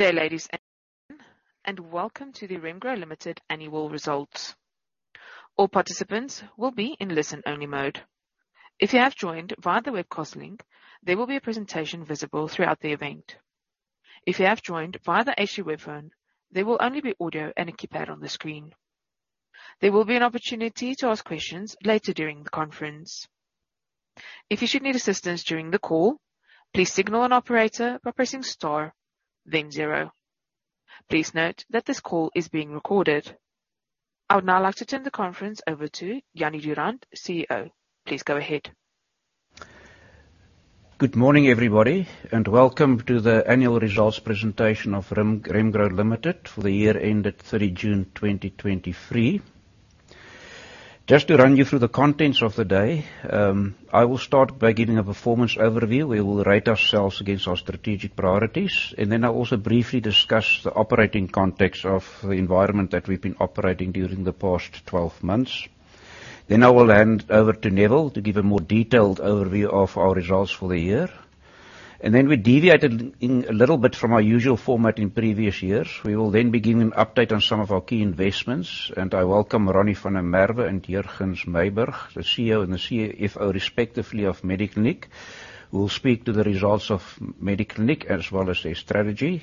Good day, ladies and gentlemen, and welcome to the Remgro Limited Annual Results. All participants will be in listen-only mode. If you have joined via the web course link, there will be a presentation visible throughout the event. If you have joined via the HD web phone, there will only be audio and a keypad on the screen. There will be an opportunity to ask questions later during the conference. If you should need assistance during the call, please signal an operator by pressing star then zero. Please note that this call is being recorded. I would now like to turn the conference over to Jannie Durand, CEO. Please go ahead. Good morning, everybody, and welcome to the annual results presentation of Remgro Limited for the year ended 30 June 2023. Just to run you through the contents of the day, I will start by giving a performance overview, where we'll rate ourselves against our strategic priorities. Then I'll also briefly discuss the operating context of the environment that we've been operating during the past 12 months. I will hand over to Neville to give a more detailed overview of our results for the year. We deviated a little bit from our usual format in previous years. We will then be giving an update on some of our key investments, and I welcome Ronnie van der Merwe and Jurgens Myburgh, the CEO and the CFO, respectively, of Mediclinic, who will speak to the results of Mediclinic, as well as their strategy.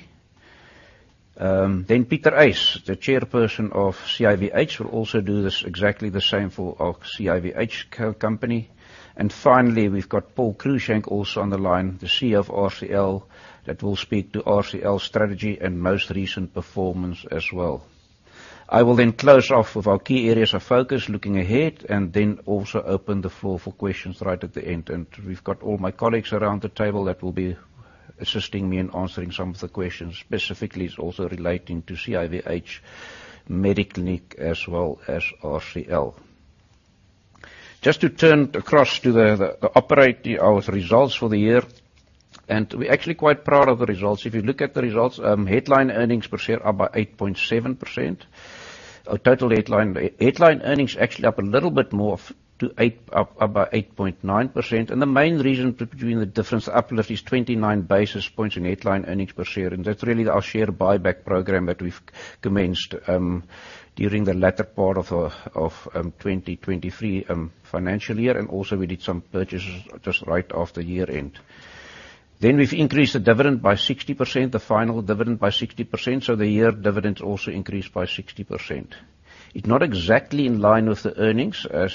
Then Pieter Uys, the chairperson of CIVH, will also do this exactly the same for our CIVH company. Finally, we've got Paul Cruickshank, also on the line, the CEO of RCL, that will speak to RCL's strategy and most recent performance as well. I will then close off with our key areas of focus, looking ahead, and then also open the floor for questions right at the end. We've got all my colleagues around the table that will be assisting me in answering some of the questions, specifically, it's also relating to CIVH, Mediclinic, as well as RCL. Just to turn to the operating results for the year, and we're actually quite proud of the results. If you look at the results, headline earnings per share are up by 8.7%. Our total headline headline earnings actually up a little bit more, up by 8.9%, and the main reason between the difference uplift is 29 basis points in headline earnings per share, and that's really our share buyback program that we've commenced during the latter part of 2023 financial year, and also we did some purchases just right after year-end. Then we've increased the dividend by 60%, the final dividend by 60%, so the year dividend also increased by 60%. It's not exactly in line with the earnings, as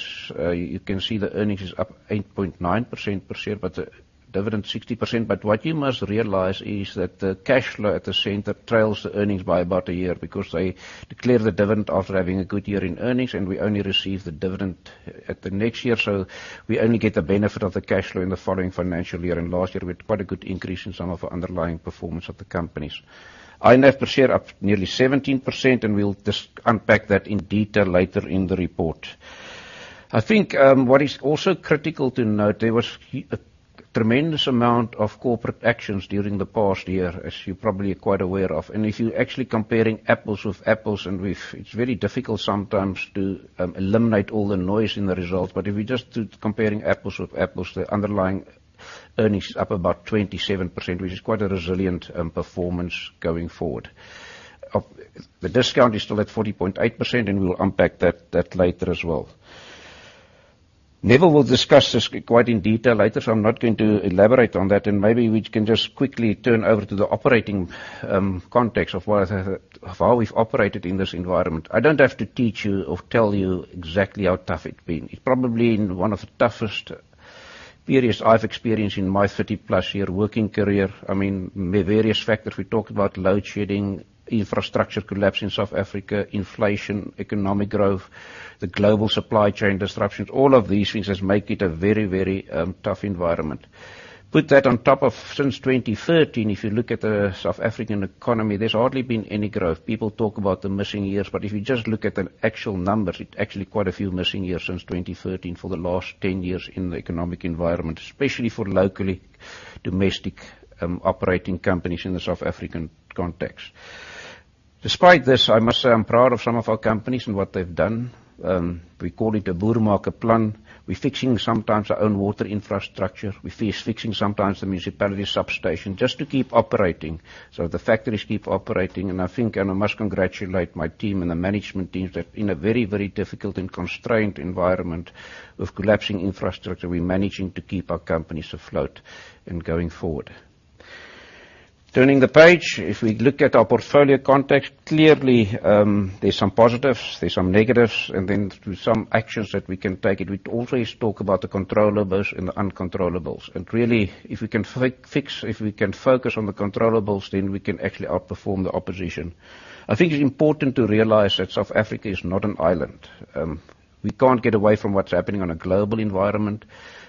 you can see, the earnings is up 8.9% per share, but the dividend 60%. What you must realize is that the cash flow at the center trails the earnings by about a year, because they declare the dividend after having a good year in earnings, and we only receive the dividend the next year. We only get the benefit of the cash flow in the following financial year, and last year we had quite a good increase in some of the underlying performance of the companies. INAV per share up nearly 17%, and we'll unpack that in detail later in the report. I think what is also critical to note, there was a tremendous amount of corporate actions during the past year, as you're probably quite aware of, and if you're actually comparing apples with apples, it's very difficult sometimes to eliminate all the noise in the results, but if you're just comparing apples with apples, the underlying earnings is up about 27%, which is quite a resilient performance going forward. The discount is still at 40.8%, and we'll unpack that later as well. Neville will discuss this quite in detail later, so I'm not going to elaborate on that, and maybe we can just quickly turn over to the operating context of how we've operated in this environment. I don't have to teach you or tell you exactly how tough it's been. It's probably one of the toughest periods I've experienced in my 30-plus-year working career. I mean, various factors. We talked about load shedding, infrastructure collapse in South Africa, inflation, economic growth, the global supply chain disruptions. All of these things has make it a very, very, tough environment. Put that on top of since 2013, if you look at the South African economy, there's hardly been any growth. People talk about the missing years, but if you just look at the actual numbers, it's actually quite a few missing years since 2013, for the last 10 years in the economic environment, especially for locally domestic, operating companies in the South African context. Despite this, I must say I'm proud of some of our companies and what they've done. We call it a Boer Maak 'n Plan. We're fixing sometimes our own water infrastructure. We fix, fixing sometimes the municipality substation, just to keep operating, so the factories keep operating. And I think, and I must congratulate my team and the management teams that in a very, very difficult and constrained environment with collapsing infrastructure, we're managing to keep our companies afloat and going forward. Turning the page, if we look at our portfolio context, clearly, there's some positives, there's some negatives, and then there's some actions that we can take. And we'd always talk about the controllables and the uncontrollables, and really, if we can fix, if we can focus on the controllables, then we can actually outperform the opposition. I think it's important to realize that South Africa is not an island. We can't get away from what's happening on a global environment,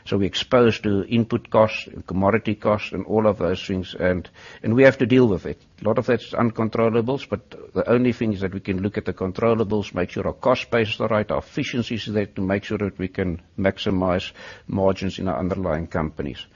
so we're exposed to input costs and commodity costs and all of those things, and we have to deal with it. A lot of that's uncontrollables, but the only thing is that we can look at the controllables, make sure our cost base is alright, our efficiency is there to make sure that we can maximize margins in our underlying companies.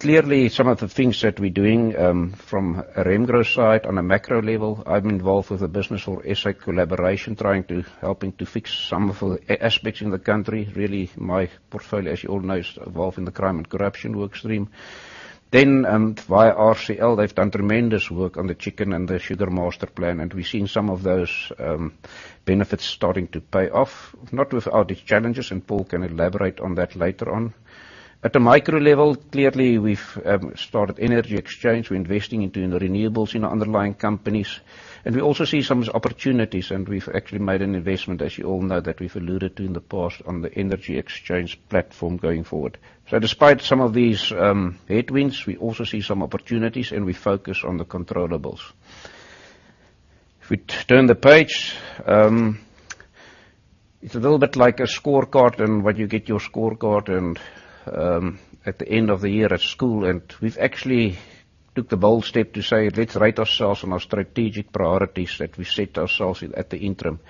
Clearly, some of the things that we're doing, from a Remgro side, on a macro level, I'm involved with a business or SA collaboration, trying to helping to fix some of the aspects in the country. Really, my portfolio, as you all know, is involved in the crime and corruption work stream.... Then, and via RCL, they've done tremendous work on the chicken and the Sugar Master Plan, and we've seen some of those, benefits starting to pay off. Not without its challenges, and Paul can elaborate on that later on. At a micro level, clearly, we've started Energy Exchange. We're investing into renewables in our underlying companies, and we also see some opportunities, and we've actually made an investment, as you all know, that we've alluded to in the past, on the Energy Exchange platform going forward. So despite some of these, headwinds, we also see some opportunities, and we focus on the controllables. If we turn the page, it's a little bit like a scorecard when you get your scorecard at the end of the year at school, and we've actually took the bold step to say, "Let's rate ourselves on our strategic priorities that we set ourselves at the interim."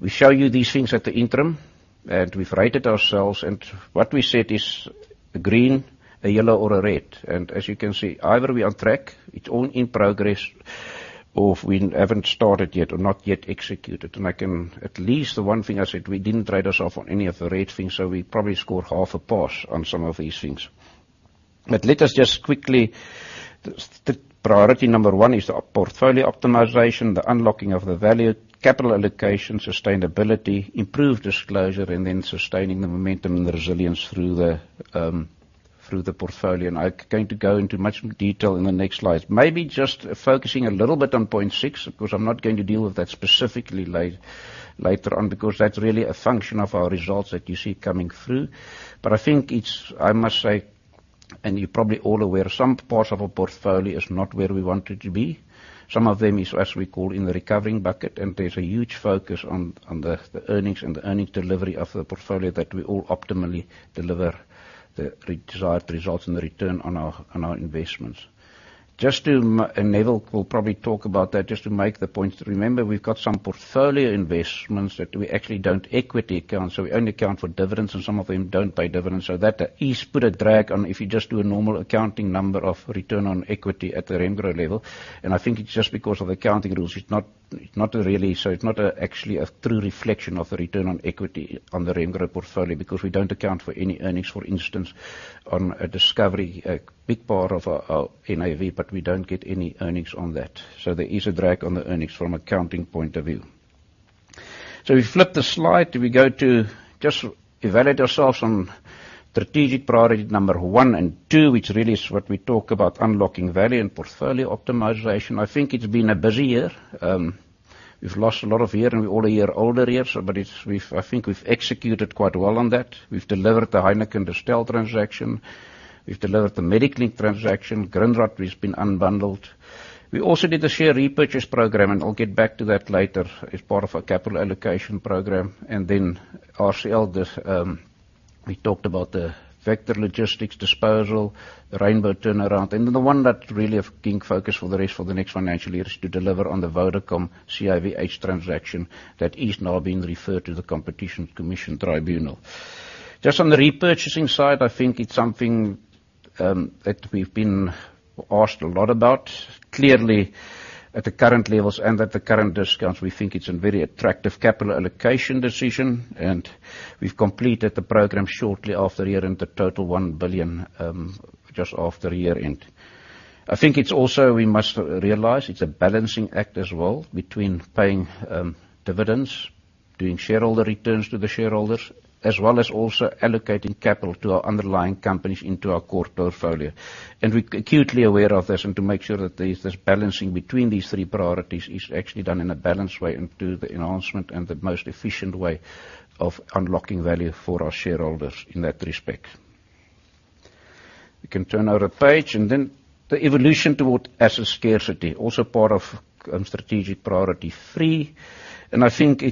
We show you these things at the interim, and we've rated ourselves, and what we said is a green, a yellow, or a red. As you can see, either we're on track, it's all in progress, or if we haven't started yet or not yet executed. I can... At least the one thing I said, we didn't rate ourself on any of the red things, so we probably scored half a pass on some of these things. Let us just quickly, the priority number one is the portfolio optimization, the unlocking of the value, capital allocation, sustainability, improved disclosure, and then sustaining the momentum and the resilience through the, through the portfolio. I'm going to go into much more detail in the next slide. Maybe just focusing a little bit on point six, because I'm not going to deal with that specifically later on, because that's really a function of our results that you see coming through. I think it's, I must say, and you're probably all aware, some parts of our portfolio is not where we want it to be. Some of them is, as we call, in the recovering bucket, and there's a huge focus on the earnings and the earning delivery of the portfolio that we all optimally deliver the desired results and the return on our investments. Just to and Neville will probably talk about that, just to make the point. Remember, we've got some portfolio investments that we actually don't equity account, so we only account for dividends, and some of them don't pay dividends. So that is put a drag on if you just do a normal accounting number of return on equity at the Remgro level. I think it's just because of accounting rules, it's not really, so it's not actually a true reflection of the return on equity on the Remgro portfolio, because we don't account for any earnings, for instance, on Discovery, a big part of our NAV, but we don't get any earnings on that. So there is a drag on the earnings from accounting point of view. So we flip the slide, we go to just evaluate ourselves on strategic priority number one and two, which really is what we talk about unlocking value and portfolio optimization. I think it's been a busy year. We've lost a lot of year, and we're all a year older here, so but it's. We've I think we've executed quite well on that. We've delivered the Heineken Distell transaction. We've delivered the Mediclinic transaction. Grindrod has been unbundled. We also did the share repurchase program, and I'll get back to that later as part of our capital allocation program. Then RCL, we talked about the Vector Logistics disposal, the Rainbow turnaround, and the one that really a key focus for the rest for the next financial year is to deliver on the Vodacom CIVH transaction that is now being referred to the Competition Commission Tribunal. Just on the repurchasing side, I think it's something that we've been asked a lot about. Clearly, at the current levels and at the current discounts, we think it's a very attractive capital allocation decision, and we've completed the program shortly after year-end, a total 1 billion just after year-end. I think it's also, we must realize it's a balancing act as well between paying dividends, doing shareholder returns to the shareholders, as well as also allocating capital to our underlying companies into our core portfolio. And we're acutely aware of this, and to make sure that there's this balancing between these three priorities is actually done in a balanced way into the enhancement and the most efficient way of unlocking value for our shareholders in that respect. We can turn over the page, and then the evolution toward asset scarcity, also part of strategic priority three, and I think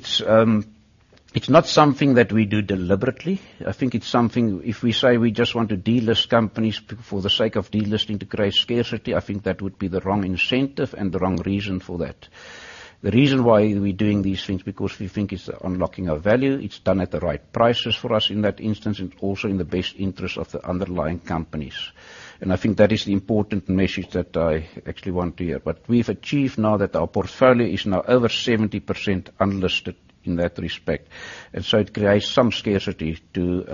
it's not something that we do deliberately. I think it's something... If we say we just want to delist companies for the sake of delisting to create scarcity, I think that would be the wrong incentive and the wrong reason for that. The reason why we're doing these things, because we think it's unlocking our value, it's done at the right prices for us in that instance, and also in the best interest of the underlying companies. And I think that is the important message that I actually want to hear. But we've achieved now that our portfolio is now over 70% unlisted in that respect, and so it creates some scarcity to,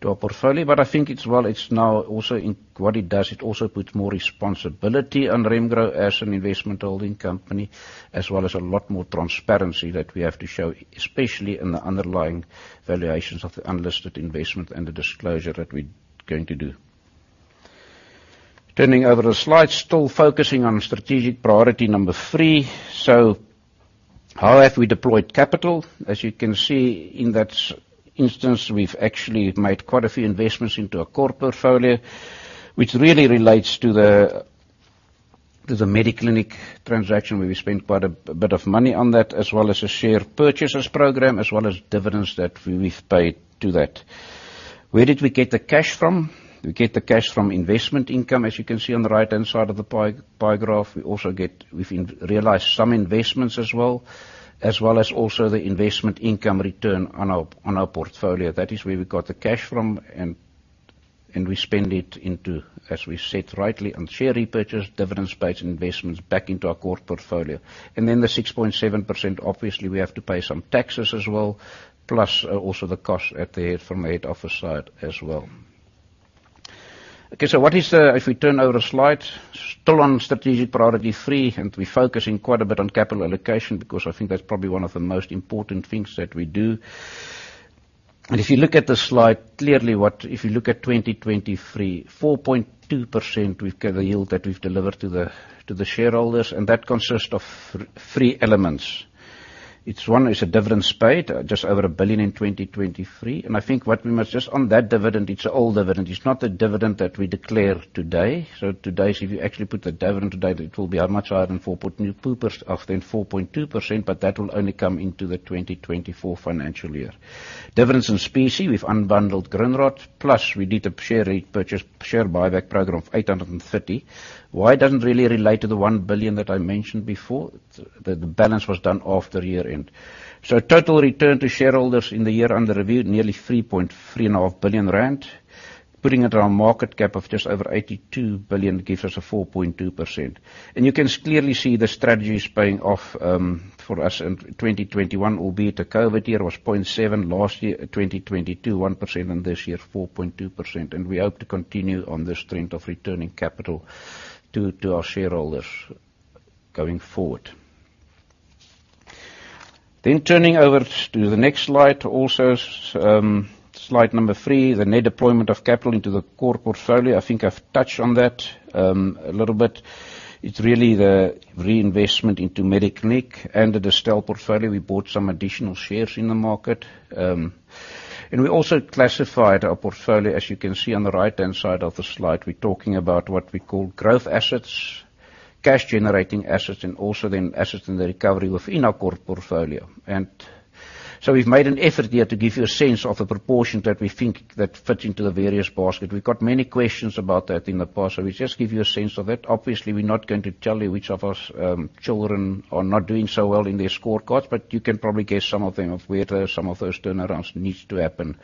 to our portfolio. But I think it's, well, it's now also in, what it does, it also puts more responsibility on Remgro as an investment holding company, as well as a lot more transparency that we have to show, especially in the underlying valuations of the unlisted investment and the disclosure that we're going to do. Turning over the slide, still focusing on strategic priority number three. So how have we deployed capital? As you can see, in that instance, we've actually made quite a few investments into our core portfolio, which really relates to the Mediclinic transaction, where we spent quite a bit of money on that, as well as the share purchases program, as well as dividends that we've paid to that. Where did we get the cash from? We get the cash from investment income, as you can see on the right-hand side of the pie graph. We've also realized some investments as well as the investment income return on our portfolio. That is where we got the cash from, and we spend it into, as we said rightly, on share repurchase, dividend space, and investments back into our core portfolio. Then the 6.7%, obviously, we have to pay some taxes as well, plus also the cost at the head, from the head office side as well. Okay, what is the, if we turn over the slide, still on strategic priority three, and we're focusing quite a bit on capital allocation, because I think that's probably one of the most important things that we do. If you look at the slide, clearly, if you look at 2023, 4.2%, we've got the yield that we've delivered to the shareholders, and that consists of three elements. It's one is a dividend paid just over 1 billion in 2023, and I think what we must. Just on that dividend, it's an old dividend. It's not a dividend that we declare today. So today, if you actually put the dividend today, it will be how much higher than 4.2% than 4.2%, but that will only come into the 2024 financial year. Dividends in specie, we've unbundled Grindrod, plus we did a share repurchase, share buyback program of 830 million. Why it doesn't really relate to the 1 billion that I mentioned before? The balance was done after year-end. So total return to shareholders in the year under review, nearly 3.5 billion rand. Putting it on a market cap of just over 82 billion gives us a 4.2%. You can clearly see the strategy is paying off, for us in 2021, albeit the COVID year was 0.7%, last year, 2022, 1%, and this year, 4.2%, and we hope to continue on this trend of returning capital to, to our shareholders going forward. Turning over to the next slide, also, slide number three, the net deployment of capital into the core portfolio. I think I've touched on that, a little bit. It's really the reinvestment into Mediclinic and the Distell portfolio. We bought some additional shares in the market, and we also classified our portfolio. As you can see on the right-hand side of the slide, we're talking about what we call growth assets, cash-generating assets, and also then assets in the recovery within our core portfolio. So we've made an effort here to give you a sense of the proportion that we think that fits into the various baskets. We've got many questions about that in the past, so we just give you a sense of that. Obviously, we're not going to tell you which of our children are not doing so well in their scorecards, but you can probably guess some of them, of where some of those turnarounds needs to happen.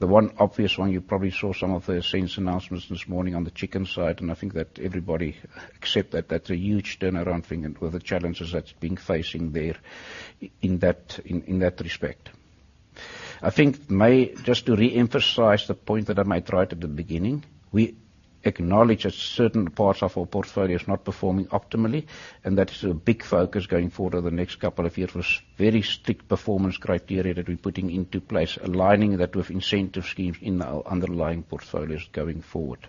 The one obvious one, you probably saw some of the sense announcements this morning on the chicken side, and I think that everybody accept that that's a huge turnaround thing and with the challenges that's been facing there in that respect. I think may... Just to reemphasize the point that I made right at the beginning, we acknowledge that certain parts of our portfolio is not performing optimally, and that is a big focus going forward over the next couple of years, with very strict performance criteria that we're putting into place, aligning that with incentive schemes in our underlying portfolios going forward.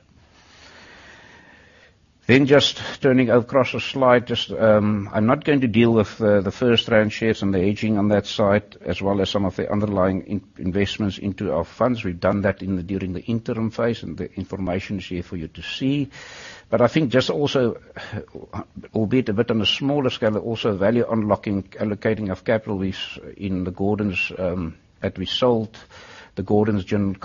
Then just turning across the slide, just, I'm not going to deal with the first-round shares and the aging on that side, as well as some of the underlying investments into our funds. We've done that during the interim phase, and the information is here for you to see. But I think just also, albeit a bit on a smaller scale, but also value unlocking, allocating of capital is in the Gordon's that we sold. The Gordon's Gin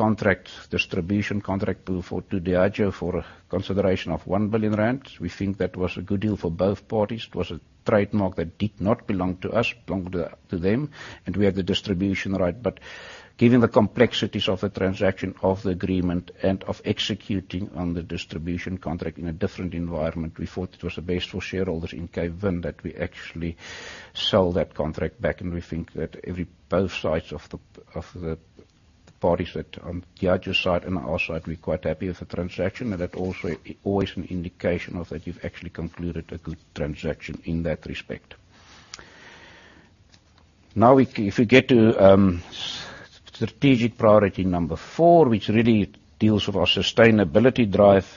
distribution contract to Diageo for a consideration of 1 billion rand. We think that was a good deal for both parties. It was a trademark that did not belong to us, it belonged to them, and we had the distribution right. But given the complexities of the transaction, of the agreement, and of executing on the distribution contract in a different environment, we thought it was the best for shareholders in Capevin that we actually sell that contract back, and we think that both sides of the parties that, Diageo's side and our side, we're quite happy with the transaction, and that also, always an indication of that you've actually concluded a good transaction in that respect. Now, if we get to strategic priority number four, which really deals with our sustainability drive,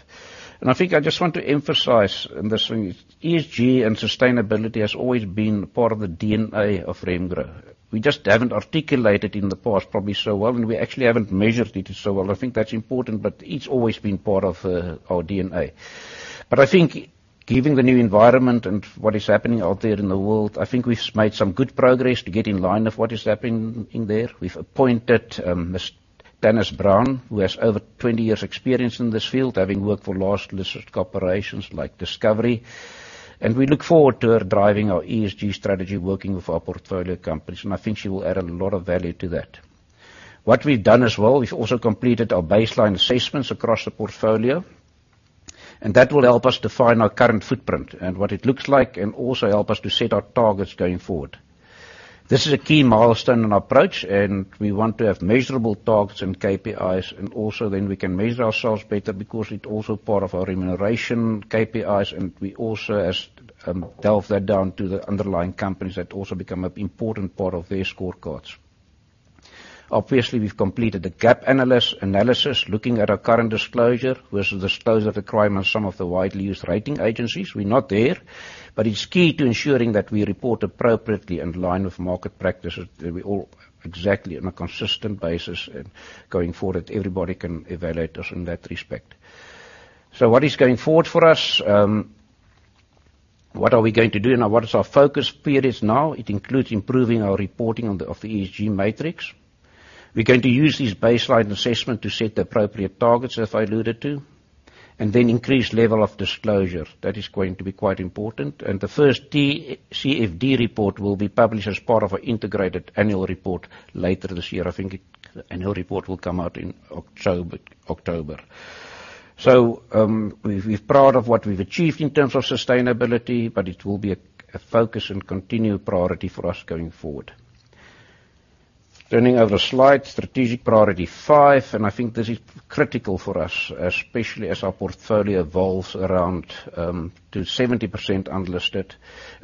I think I just want to emphasize in this thing, ESG and sustainability has always been part of the DNA of Remgro. We just haven't articulated in the past, probably so well, and we actually haven't measured it so well. I think that's important, but it's always been part of our DNA. I think given the new environment and what is happening out there in the world, I think we've made some good progress to get in line of what is happening there. We've appointed Ms. Marthanette Brown, who has over 20 years' experience in this field, having worked for large listed corporations like Discovery, and we look forward to her driving our ESG strategy, working with our portfolio companies, and I think she will add a lot of value to that. What we've done as well, we've also completed our baseline assessments across the portfolio, and that will help us define our current footprint and what it looks like and also help us to set our targets going forward. This is a key milestone and approach, and we want to have measurable targets and KPIs, and also then we can measure ourselves better because it's also part of our remuneration, KPIs, and we also as delve that down to the underlying companies that also become an important part of their scorecards. Obviously, we've completed the gap analysis, looking at our current disclosure versus disclosure requirements of some of the widely used rating agencies. We're not there, but it's key to ensuring that we report appropriately in line with market practices, that we report exactly on a consistent basis, and going forward, everybody can evaluate us in that respect. So what is going forward for us? What are we going to do, and what is our focus areas now? It includes improving our reporting on the ESG matrix. We're going to use this baseline assessment to set the appropriate targets, as I alluded to, and then increase level of disclosure. That is going to be quite important. And the first TCFD report will be published as part of our integrated annual report later this year. I think it, the annual report will come out in October, October. We've proud of what we've achieved in terms of sustainability, but it will be a focus and continued priority for us going forward. Turning over to slide, strategic priority five, and I think this is critical for us, especially as our portfolio evolves around 70% unlisted.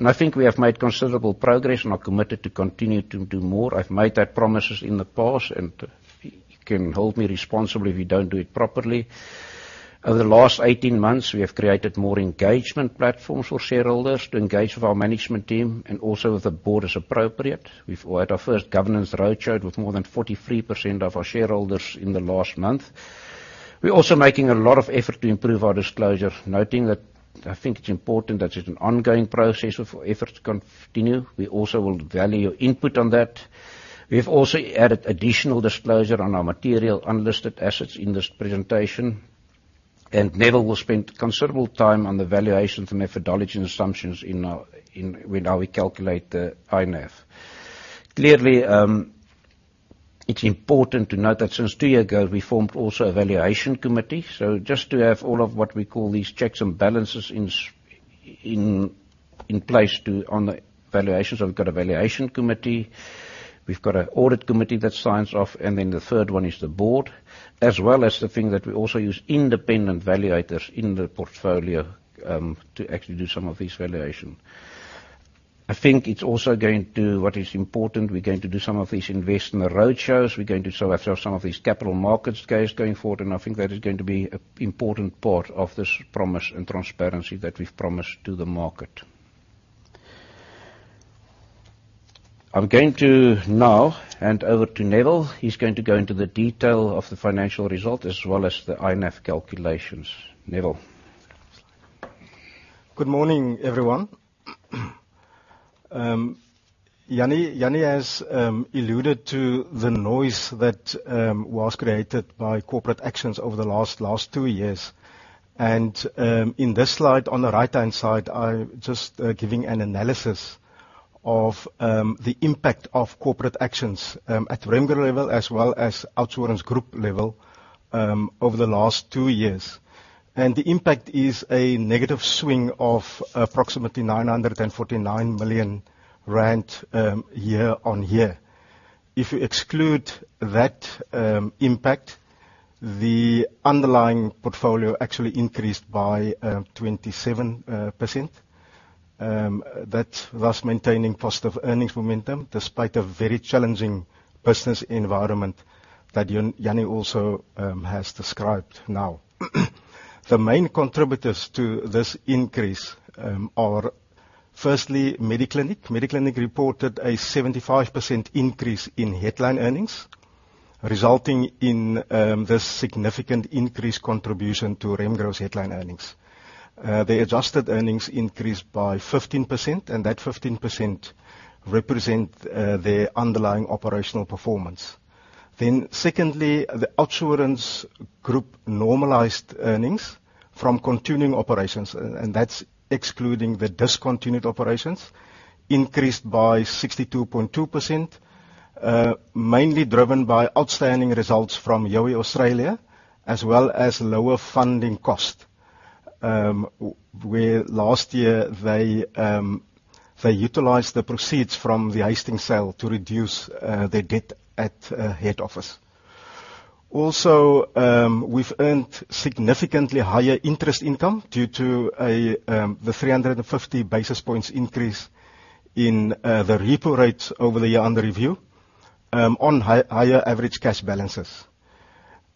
I think we have made considerable progress, and are committed to continue to do more. I've made that promises in the past, and you, you can hold me responsibly if we don't do it properly. Over the last 18 months, we have created more engagement platforms for shareholders to engage with our management team and also with the board as appropriate. We've had our first governance roadshow with more than 43% of our shareholders in the last month. We're also making a lot of effort to improve our disclosure, noting that I think it's important that it's an ongoing process of effort to continue. We also will value your input on that. We've also added additional disclosure on our material unlisted assets in this presentation, and Neville will spend considerable time on the valuations and methodology assumptions with how we calculate the INAV. Clearly, it's important to note that since two years ago, we formed also a valuation committee. So just to have all of what we call these checks and balances in place on the valuations. So we've got a valuation committee, we've got an audit committee that signs off, and then the third one is the board. As well as the thing that we also use independent valuators in the portfolio, to actually do some of this valuation. I think it's also going to... What is important, we're going to do some of these investment roadshows. We're going to do some of these capital markets case going forward, and I think that is going to be an important part of this promise and transparency that we've promised to the market. I'm going to now hand over to Neville. He's going to go into the detail of the financial result, as well as the INAV calculations. Neville? Good morning, everyone. Jannie has alluded to the noise that was created by corporate actions over the last two years. In this slide, on the right-hand side, I'm just giving an analysis of the impact of corporate actions at Remgro level as well as OUTsurance Group level over the last two years. The impact is a negative swing of approximately 949 million rand year-over-year. If you exclude that impact, the underlying portfolio actually increased by 27%. That thus maintaining positive earnings momentum, despite a very challenging business environment that Jannie also has described now. The main contributors to this increase are, firstly, Mediclinic. Mediclinic reported a 75% increase in headline earnings, resulting in this significant increased contribution to Remgro's headline earnings. The adjusted earnings increased by 15%, and that 15% represent their underlying operational performance. Then secondly, the OUTsurance Group normalized earnings from continuing operations, and that's excluding the discontinued operations, increased by 62.2%. Mainly driven by outstanding results from Youi Australia, as well as lower funding cost. Where last year they utilized the proceeds from the Hastings sale to reduce their debt at head office. Also, we've earned significantly higher interest income due to the 350 basis points increase in the Repo Rate over the year under review on higher average cash balances.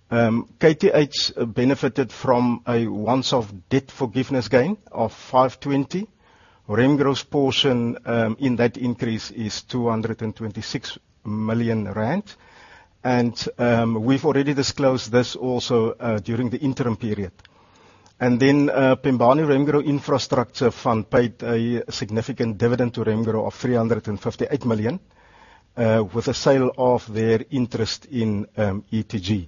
KTH benefited from a once-off debt forgiveness gain of 520 million. Remgro's portion in that increase is 226 million rand. We've already disclosed this also during the interim period. Then, Pembani Remgro Infrastructure Fund paid a significant dividend to Remgro of 358 million with the sale of their interest in ETG.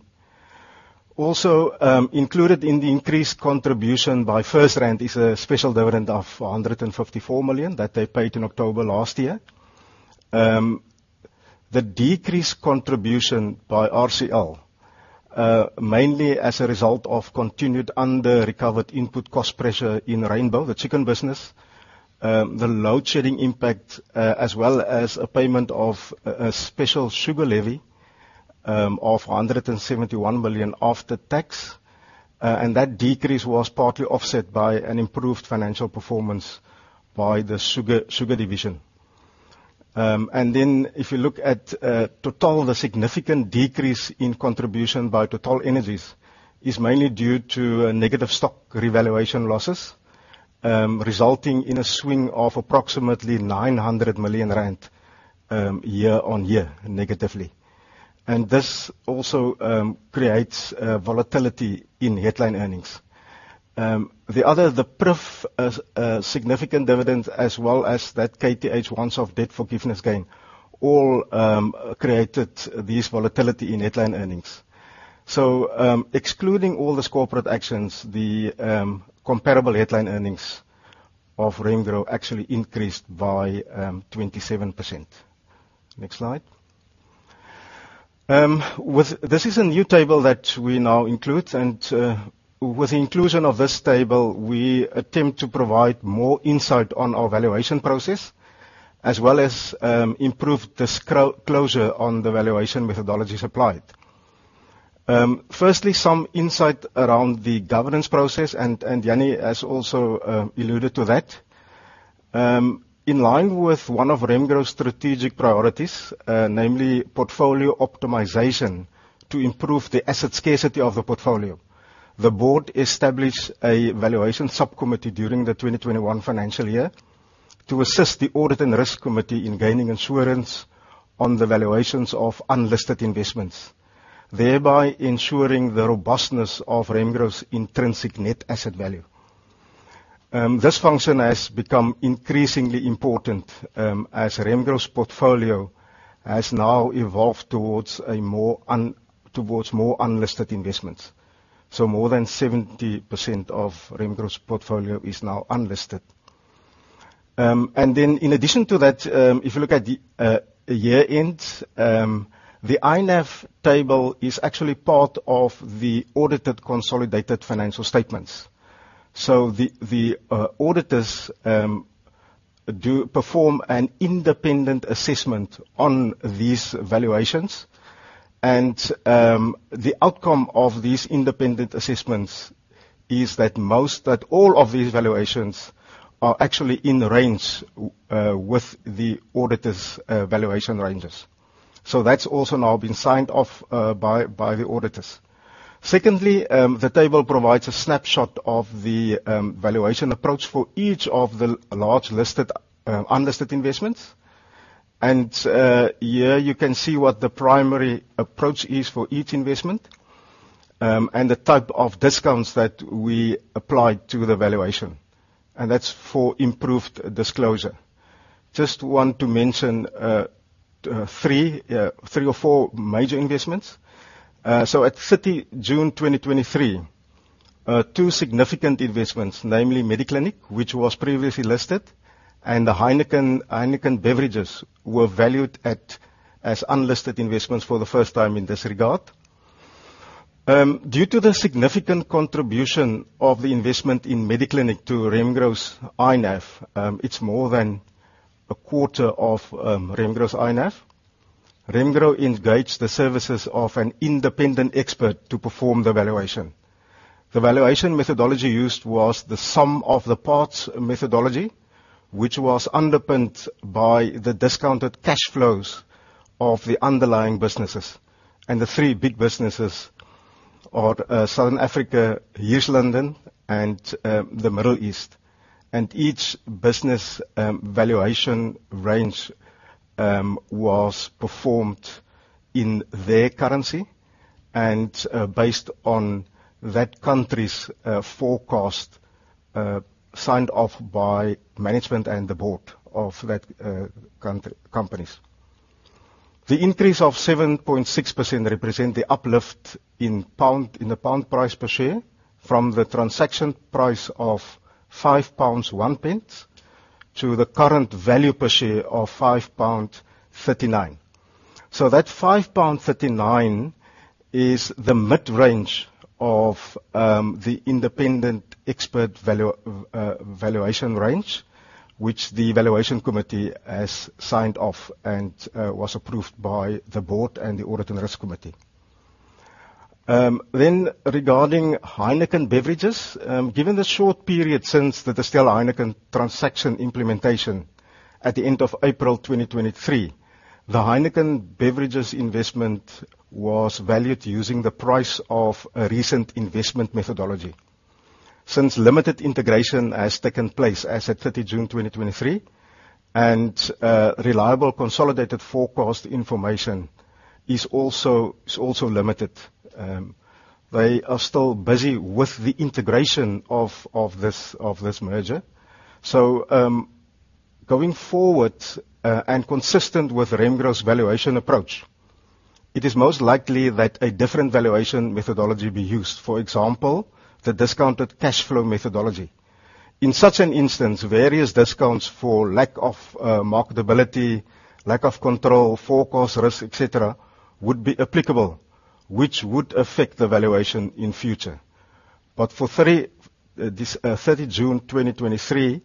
Also, included in the increased contribution by FirstRand is a special dividend of 454 million that they paid in October last year. The decreased contribution by RCL mainly as a result of continued under-recovered input cost pressure in Rainbow, the chicken business. The load shedding impact, as well as a payment of a special sugar levy of 171 million after tax. And that decrease was partly offset by an improved financial performance by the Sugar division. And then if you look at Total, the significant decrease in contribution by TotalEnergies is mainly due to negative stock revaluation losses, resulting in a swing of approximately 900 million rand year-on-year, negatively. And this also creates volatility in headline earnings. The other, the proof significant dividends, as well as that KTH once-off debt forgiveness gain, all created this volatility in headline earnings. So, excluding all these corporate actions, the comparable headline earnings of Remgro actually increased by 27%. Next slide. With this, this is a new table that we now include, and with the inclusion of this table, we attempt to provide more insight on our valuation process, as well as improve disclosure on the valuation methodologies applied. Firstly, some insight around the governance process, and Jannie has also alluded to that. In line with one of Remgro's strategic priorities, namely portfolio optimization, to improve the asset scarcity of the portfolio, the board established a valuation subcommittee during the 2021 financial year to assist the audit and risk committee in gaining assurance on the valuations of unlisted investments, thereby ensuring the robustness of Remgro's intrinsic net asset value. This function has become increasingly important, as Remgro's portfolio has now evolved towards more unlisted investments. So more than 70% of Remgro's portfolio is now unlisted. And then in addition to that, if you look at the year-end, the INAV table is actually part of the audited consolidated financial statements. So the auditors do perform an independent assessment on these valuations, and the outcome of these independent assessments is that all of these valuations are actually in range with the auditors' valuation ranges. So that's also now been signed off by the auditors. Secondly, the table provides a snapshot of the valuation approach for each of the large listed unlisted investments. And here you can see what the primary approach is for each investment, and the type of discounts that we applied to the valuation, and that's for improved disclosure. Just want to mention three or four major investments. So at 30 June 2023, two significant investments, namely Mediclinic, which was previously listed, and Heineken Beverages, were valued as unlisted investments for the first time in this regard. Due to the significant contribution of the investment in Mediclinic to Remgro's INAV, it's more than a quarter of Remgro's INAV. Remgro engaged the services of an independent expert to perform the valuation. The valuation methodology used was the sum of the parts methodology, which was underpinned by the discounted cash flows of the underlying businesses. The three big businesses are Southern Africa, East London, and the Middle East. Each business valuation range was performed in their currency and based on that country's forecast signed off by management and the board of that country's companies. The increase of 7.6% represents the uplift in pound, in the pound price per share from the transaction price of 5.01 pounds, to the current value per share of 5.39 pound. So that 5.39 pound is the mid-range of the independent expert value, valuation range, which the valuation committee has signed off and was approved by the board and the audit and risk committee. Then regarding Heineken Beverages, given the short period since the Distell-Heineken transaction implementation at the end of April 2023, the Heineken Beverages investment was valued using the price of a recent investment methodology. Since limited integration has taken place as at 30 June 2023, and reliable consolidated forecast information is also limited, they are still busy with the integration of this merger. Going forward, and consistent with Remgro's valuation approach, it is most likely that a different valuation methodology be used. For example, the discounted cash flow methodology. In such an instance, various discounts for lack of marketability, lack of control, forecast risk, et cetera, would be applicable, which would affect the valuation in future. For this 30 June 2023,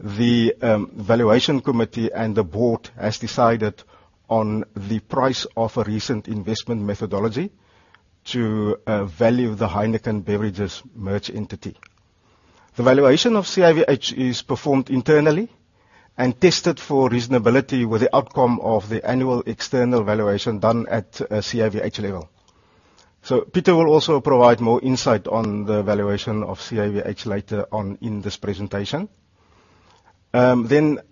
the valuation committee and the board has decided on the price of a recent investment methodology to value the Heineken Beverages merged entity. The valuation of CIVH is performed internally and tested for reasonability with the outcome of the annual external valuation done at a CIVH level. Peter will also provide more insight on the valuation of CIVH later on in this presentation. Capevin,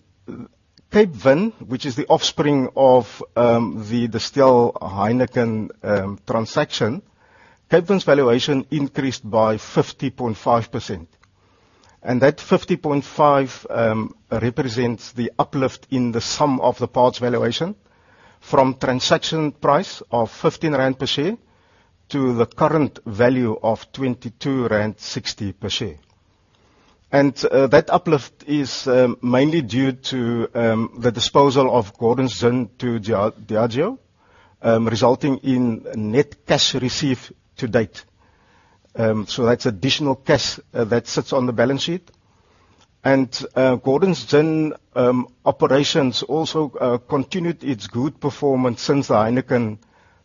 which is the offspring of the Distell-Heineken transaction. Capevin's valuation increased by 50.5%, and that 50.5% represents the uplift in the sum-of-the-parts valuation from transaction price of 15 rand per share to the current value of 22.60 rand per share. That uplift is mainly due to the disposal of Gordon's Gin to Diageo, resulting in net cash received to date. So that's additional cash that sits on the balance sheet. Gordon's Gin operations also continued its good performance since the Heineken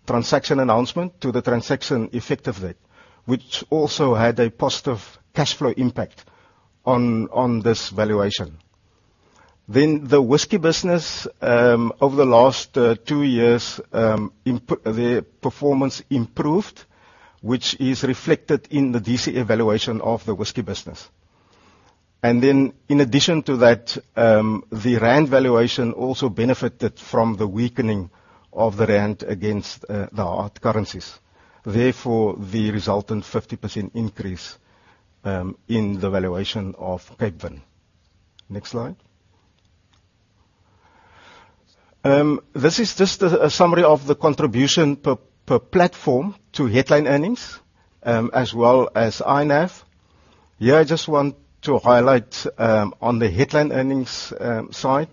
transaction announcement to the transaction effective date, which also had a positive cash flow impact on this valuation. Then the whiskey business over the last 2 years, the performance improved, which is reflected in the DCF valuation of the whiskey business. Then in addition to that, the rand valuation also benefited from the weakening of the rand against the hard currencies, therefore, the resultant 50% increase in the valuation of Capevin. Next slide. This is just a summary of the contribution per platform to headline earnings, as well as INAV. Here, I just want to highlight, on the headline earnings side,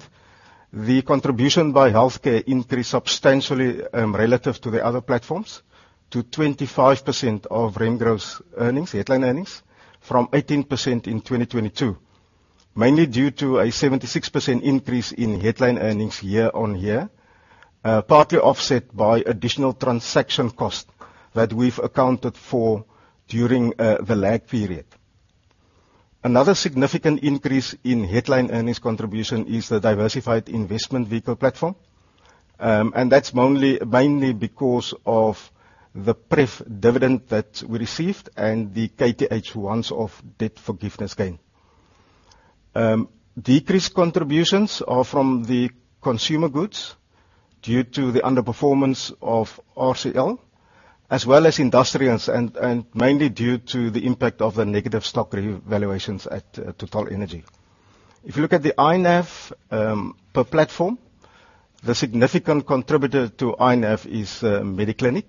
the contribution by healthcare increased substantially, relative to the other platforms, to 25% of Remgro's headline earnings, from 18% in 2022. Mainly due to a 76% increase in headline earnings year-on-year, partly offset by additional transaction costs that we've accounted for during the lag period. Another significant increase in headline earnings contribution is the diversified investment vehicle platform. And that's mainly, mainly because of the pref dividend that we received and the KTH once-off debt forgiveness gain. Decreased contributions are from the consumer goods due to the underperformance of RCL, as well as industrials, and mainly due to the impact of the negative stock revaluations at TotalEnergies. If you look at the INAV per platform, the significant contributor to INAV is Mediclinic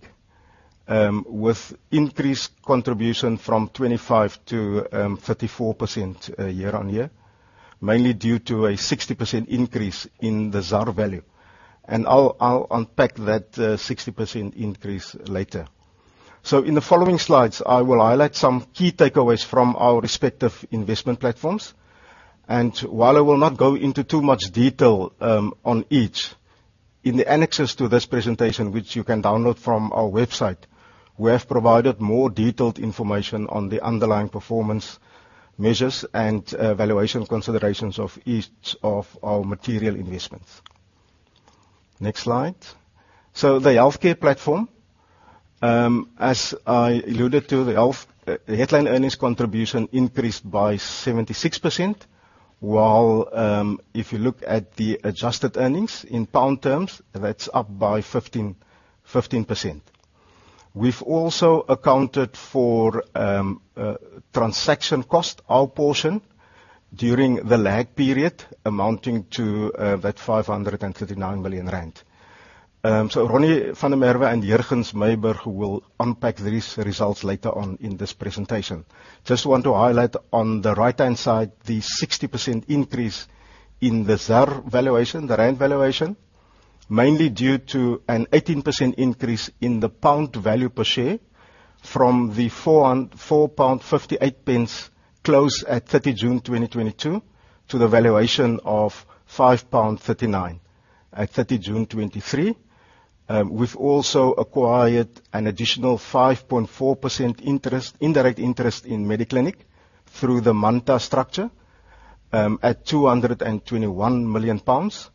with increased contribution from 25 to 34% year-on-year, mainly due to a 60% increase in the ZAR value. And I'll unpack that 60% increase later. So in the following slides, I will highlight some key takeaways from our respective investment platforms, and while I will not go into too much detail, on each, in the annexes to this presentation, which you can download from our website, we have provided more detailed information on the underlying performance measures and, valuation considerations of each of our material investments. Next slide. So the healthcare platform, as I alluded to, the headline earnings contribution increased by 76%, while, if you look at the adjusted earnings in pound terms, that's up by 15, 15%. We've also accounted for, a transaction cost, our portion, during the lag period, amounting to, that 539 million rand. So Ronnie van der Merwe and Jurgens Myburgh will unpack these results later on in this presentation. Just want to highlight on the right-hand side, the 60% increase in the ZAR valuation, the rand valuation, mainly due to an 18% increase in the pound value per share from the 4.58 pound close at 30 June 2022, to the valuation of 5.39 pound at 30 June 2023. We've also acquired an additional 5.4% interest, indirect interest in Mediclinic through the Manta structure, at 221 million pounds.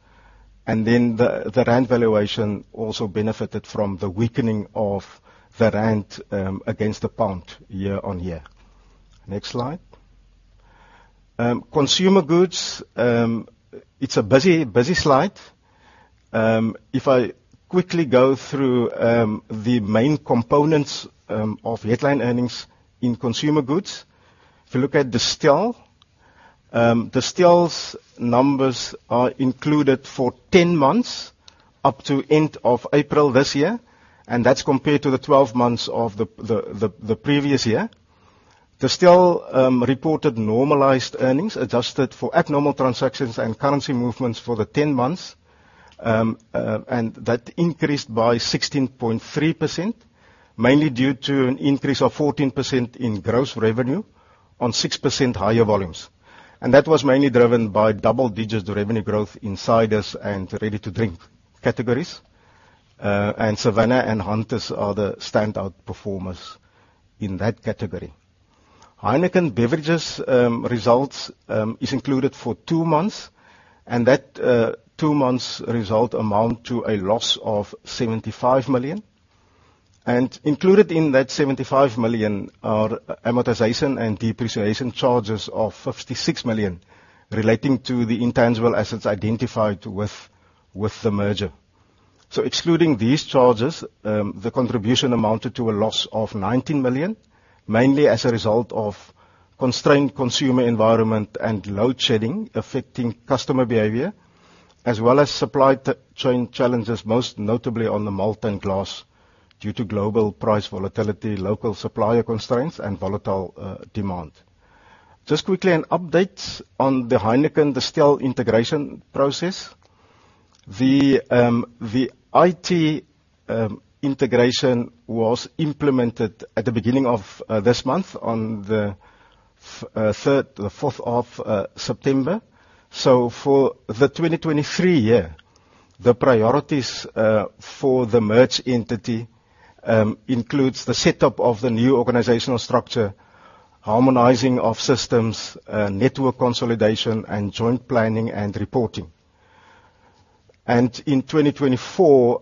And then the rand valuation also benefited from the weakening of the rand against the pound year-over-year. Next slide. Consumer goods, it's a busy, busy slide. If I quickly go through, the main components of headline earnings in consumer goods. If you look at Distell, Distell's numbers are included for 10 months, up to end of April this year, and that's compared to the 12 months of the previous year. Distell reported normalized earnings, adjusted for abnormal transactions and currency movements for the 10 months. And that increased by 16.3%, mainly due to an increase of 14% in gross revenue on 6% higher volumes. And that was mainly driven by double-digit revenue growth in ciders and ready-to-drink categories. And Savanna and Hunter's are the standout performers in that category. Heineken Beverages results is included for 2 months, and that 2 months' result amount to a loss of 75 million. And included in that 75 million are amortization and depreciation charges of 56 million relating to the intangible assets identified with the merger. Excluding these charges, the contribution amounted to a loss of 19 million, mainly as a result of constrained consumer environment and load shedding affecting customer behavior, as well as supply chain challenges, most notably on the malt and glass, due to global price volatility, local supplier constraints, and volatile demand. Just quickly, an update on the Heineken Beverages, Distell integration process. The IT integration was implemented at the beginning of this month, on the third, the fourth of September. For the 2023 year, the priorities for the merged entity include the setup of the new organizational structure, harmonizing of systems, network consolidation, and joint planning and reporting. In 2024,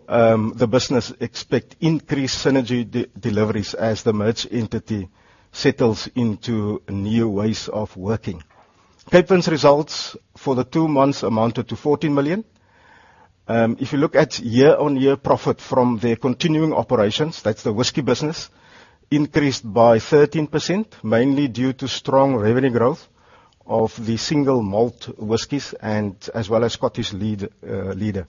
the business expects increased synergy deliveries as the merged entity settles into new ways of working. Capevin's results for the two months amounted to 14 million. If you look at year-on-year profit from their continuing operations, that's the whiskey business, increased by 13%, mainly due to strong revenue growth of the single malt whiskeys and as well as Scottish Leader.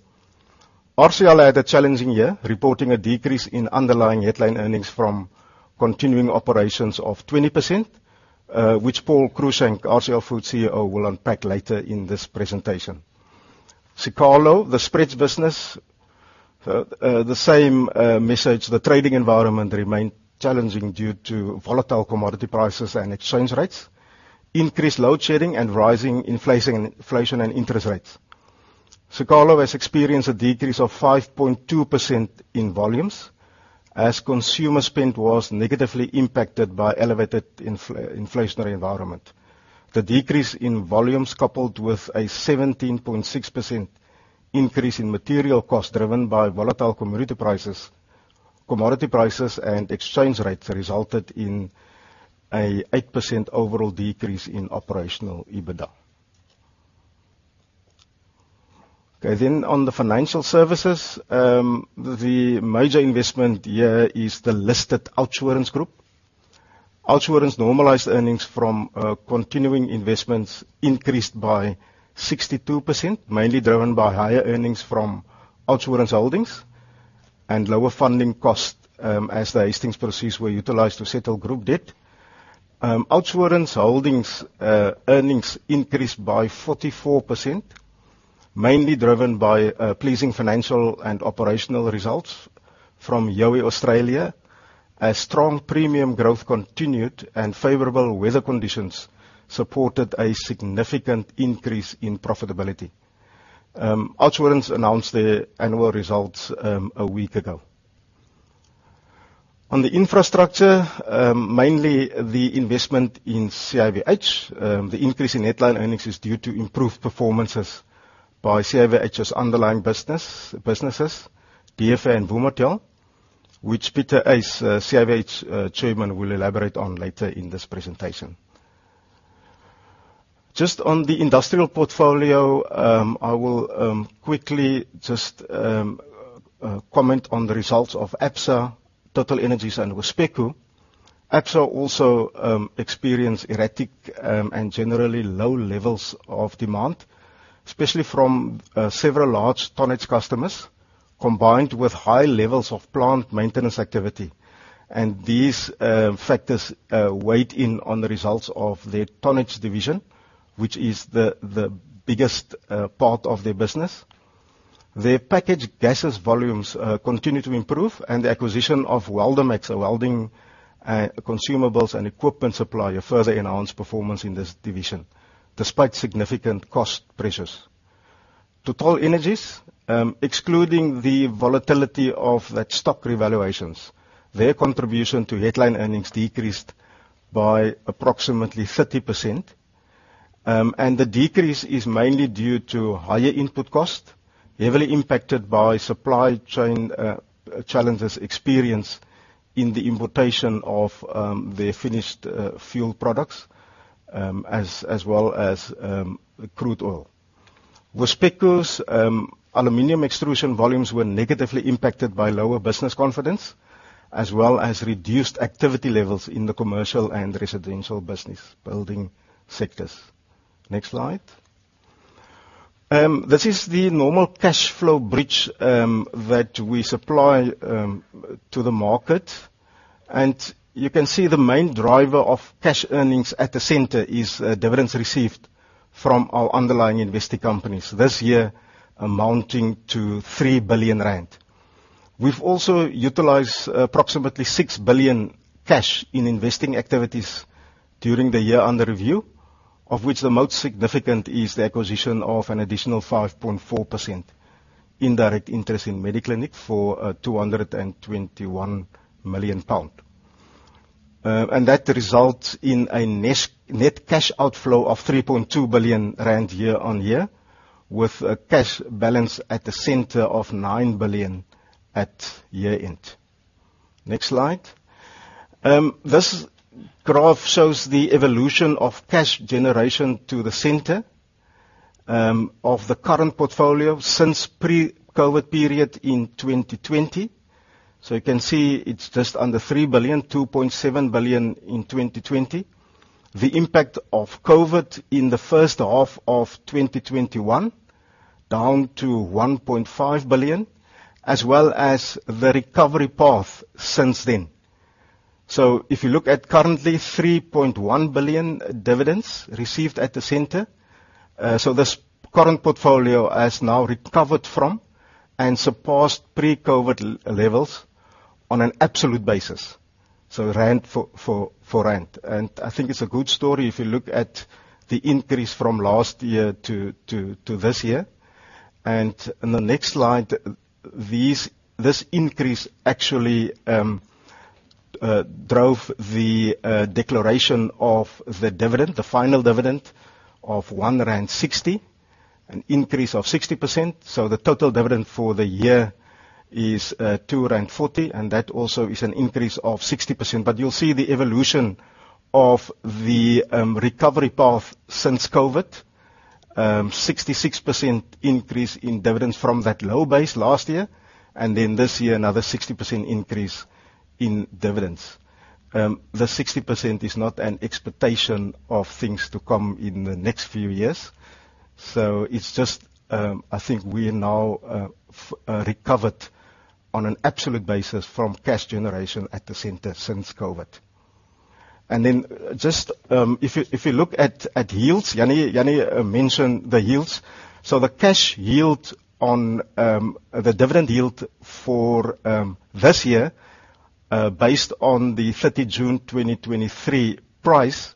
RCL had a challenging year, reporting a decrease in underlying headline earnings from continuing operations of 20%, which Paul Cruickshank, RCL Foods CEO, will unpack later in this presentation. Siqalo, the spreads business, the same message, the trading environment remained challenging due to volatile commodity prices and exchange rates, increased load shedding and rising inflation, inflation and interest rates. Siqalo has experienced a decrease of 5.2% in volumes, as consumer spend was negatively impacted by elevated inflationary environment. The decrease in volumes, coupled with a 17.6% increase in material costs, driven by volatile commodity prices, commodity prices and exchange rates, resulted in an 8% overall decrease in operational EBITDA. Okay, then, on the financial services, the major investment here is the listed OUTsurance Group. OUTsurance normalized earnings from continuing investments increased by 62%, mainly driven by higher earnings from OUTsurance Holdings and lower funding costs, as the Hastings proceeds were utilized to settle group debt. OUTsurance Holdings earnings increased by 44%, mainly driven by pleasing financial and operational results from Youi Australia. As strong premium growth continued and favorable weather conditions supported a significant increase in profitability. OUTsurance announced their annual results a week ago. On the infrastructure, mainly the investment in CIVH. The increase in headline earnings is due to improved performances by CIVH's underlying business, businesses, DFA and Vumatel, which Pieter Uys, CIVH chairman, will elaborate on later in this presentation. Just on the industrial portfolio, I will quickly just comment on the results of Absa, TotalEnergies and Wispeco. Absa also experienced erratic and generally low levels of demand, especially from several large tonnage customers, combined with high levels of plant maintenance activity. And these factors weighed in on the results of their tonnage division, which is the biggest part of their business. Their packaged gases volumes continue to improve, and the acquisition of Weldamax, a welding consumables and equipment supplier, further enhanced performance in this division, despite significant cost pressures. TotalEnergies, excluding the volatility of that stock revaluations, their contribution to headline earnings decreased by approximately 30%. The decrease is mainly due to higher input costs, heavily impacted by supply chain challenges experienced in the importation of their finished fuel products, as well as crude oil. Wispeco, aluminium extrusion volumes were negatively impacted by lower business confidence, as well as reduced activity levels in the commercial and residential business building sectors. Next slide. This is the normal cash flow bridge that we supply to the market. You can see the main driver of cash earnings at the center is dividends received from our underlying investing companies. This year, amounting to 3 billion rand. We've also utilized approximately 6 billion cash in investing activities during the year under review, of which the most significant is the acquisition of an additional 5.4% indirect interest in Mediclinic for 221 million pound. And that results in a net cash outflow of 3.2 billion rand year-on-year, with a cash balance at the center of 9 billion at year-end. Next slide. This graph shows the evolution of cash generation to the center of the current portfolio since pre-COVID period in 2020. So you can see it's just under 3 billion, 2.7 billion in 2020. The impact of COVID in the first half of 2021, down to 1.5 billion, as well as the recovery path since then. So if you look at currently, 3.1 billion dividends received at the center. So this current portfolio has now recovered from and surpassed pre-COVID levels on an absolute basis. So rand for rand. And I think it's a good story if you look at the increase from last year to this year. And in the next slide, this increase actually drove the declaration of the dividend, the final dividend of 1.60 rand, an increase of 60%. So the total dividend for the year is two rand forty, and that also is an increase of 60%. But you'll see the evolution of the recovery path since COVID. 66% increase in dividends from that low base last year, and then this year, another 60% increase in dividends. The 60% is not an expectation of things to come in the next few years. It's just, I think we are now recovered on an absolute basis from cash generation at the center since COVID. If you look at yields, Jannie mentioned the yields. The cash yield on the dividend yield for this year, based on the 30 June 2023 price,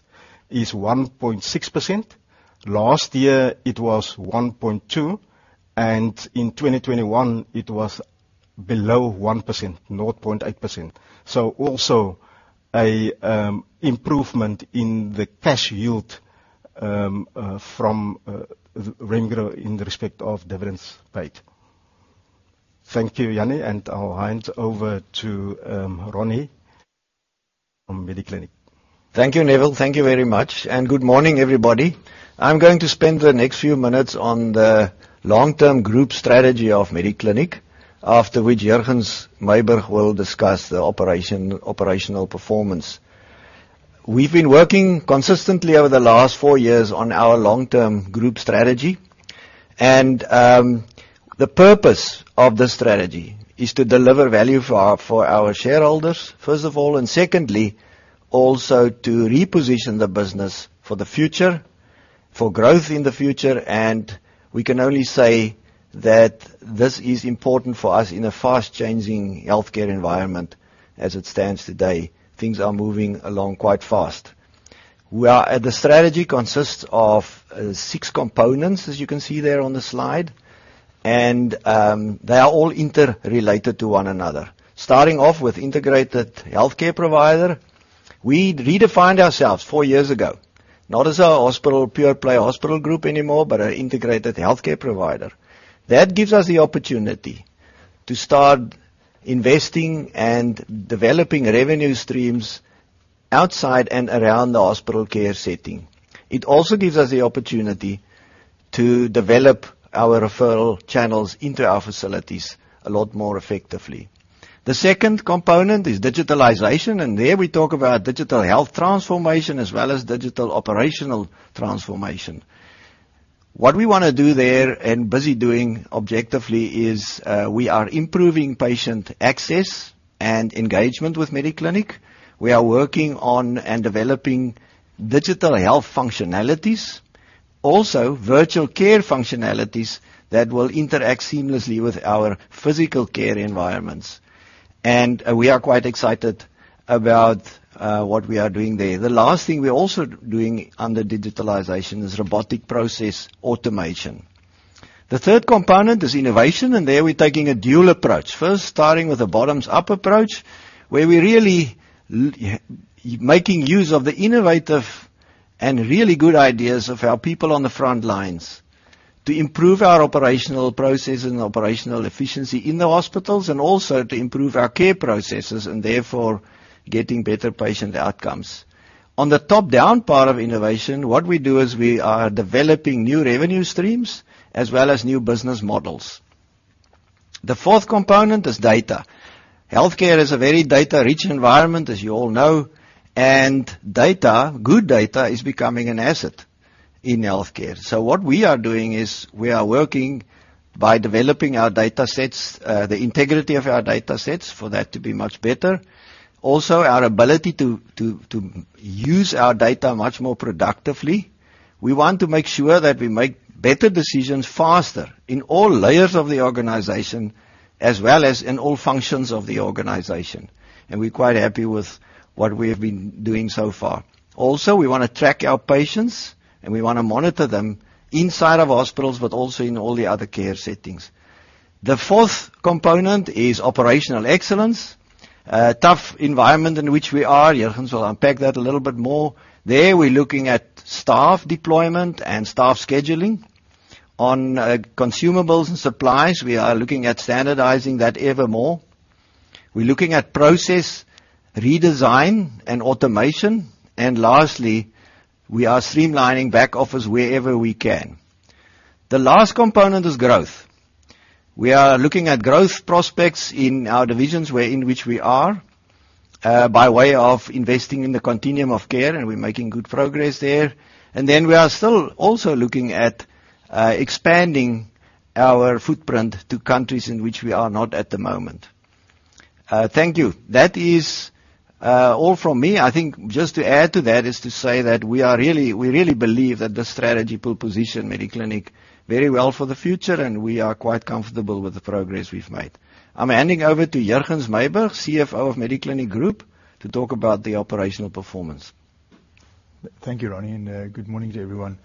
is 1.6%. Last year, it was 1.2%, and in 2021, it was below 1%, 0.8%. Also, an improvement in the cash yield from Remgro in respect of dividends paid. Thank you, Jannie, and I'll hand over to Ronnie from Mediclinic. Thank you, Neville. Thank you very much, and good morning, everybody. I'm going to spend the next few minutes on the long-term group strategy of Mediclinic, after which Jurgens Myburgh will discuss the operation, operational performance. We've been working consistently over the last four years on our long-term group strategy, and the purpose of this strategy is to deliver value for our, for our shareholders, first of all, and secondly, also to reposition the business for the future, for growth in the future. We can only say that this is important for us in a fast-changing healthcare environment as it stands today. Things are moving along quite fast. The strategy consists of six components, as you can see there on the slide, and they are all interrelated to one another. Starting off with integrated healthcare provider, we redefined ourselves four years ago, not as a pure play hospital group anymore, but an integrated healthcare provider. That gives us the opportunity to start investing and developing revenue streams outside and around the hospital care setting. It also gives us the opportunity to develop our referral channels into our facilities a lot more effectively. The second component is digitalization, and there we talk about digital health transformation as well as digital operational transformation. What we want to do there, and busy doing objectively, is we are improving patient access and engagement with Mediclinic. We are working on and developing digital health functionalities. Also, virtual care functionalities that will interact seamlessly with our physical care environments, and we are quite excited about what we are doing there. The last thing we're also doing under digitalization is robotic process automation. The third component is innovation, and there we're taking a dual approach. First, starting with a bottoms-up approach, where we're really making use of the innovative and really good ideas of our people on the front lines to improve our operational processes and operational efficiency in the hospitals, and also to improve our care processes and therefore getting better patient outcomes. On the top-down part of innovation, what we do is we are developing new revenue streams as well as new business models. The fourth component is data. Healthcare is a very data-rich environment, as you all know, and data, good data, is becoming an asset in healthcare. So what we are doing is we are working by developing our datasets, the integrity of our datasets, for that to be much better. Also, our ability to use our data much more productively. We want to make sure that we make better decisions faster in all layers of the organization, as well as in all functions of the organization, and we're quite happy with what we have been doing so far. Also, we want to track our patients, and we want to monitor them inside of hospitals, but also in all the other care settings. The fourth component is operational excellence. A tough environment in which we are, Jurgens will unpack that a little bit more. There, we're looking at staff deployment and staff scheduling. On consumables and supplies, we are looking at standardizing that ever more. We're looking at process redesign and automation. And lastly, we are streamlining back office wherever we can. The last component is growth. We are looking at growth prospects in our divisions where in which we are, by way of investing in the continuum of care, and we're making good progress there. Then we are still also looking at, expanding our footprint to countries in which we are not at the moment. Thank you. That is, all from me. I think just to add to that is to say that we are really, we really believe that this strategy will position Mediclinic International very well for the future, and we are quite comfortable with the progress we've made. I'm handing over to Jurgens Myburgh, CFO of Mediclinic International, to talk about the operational performance. Thank you, Ronnie, and good morning to everyone.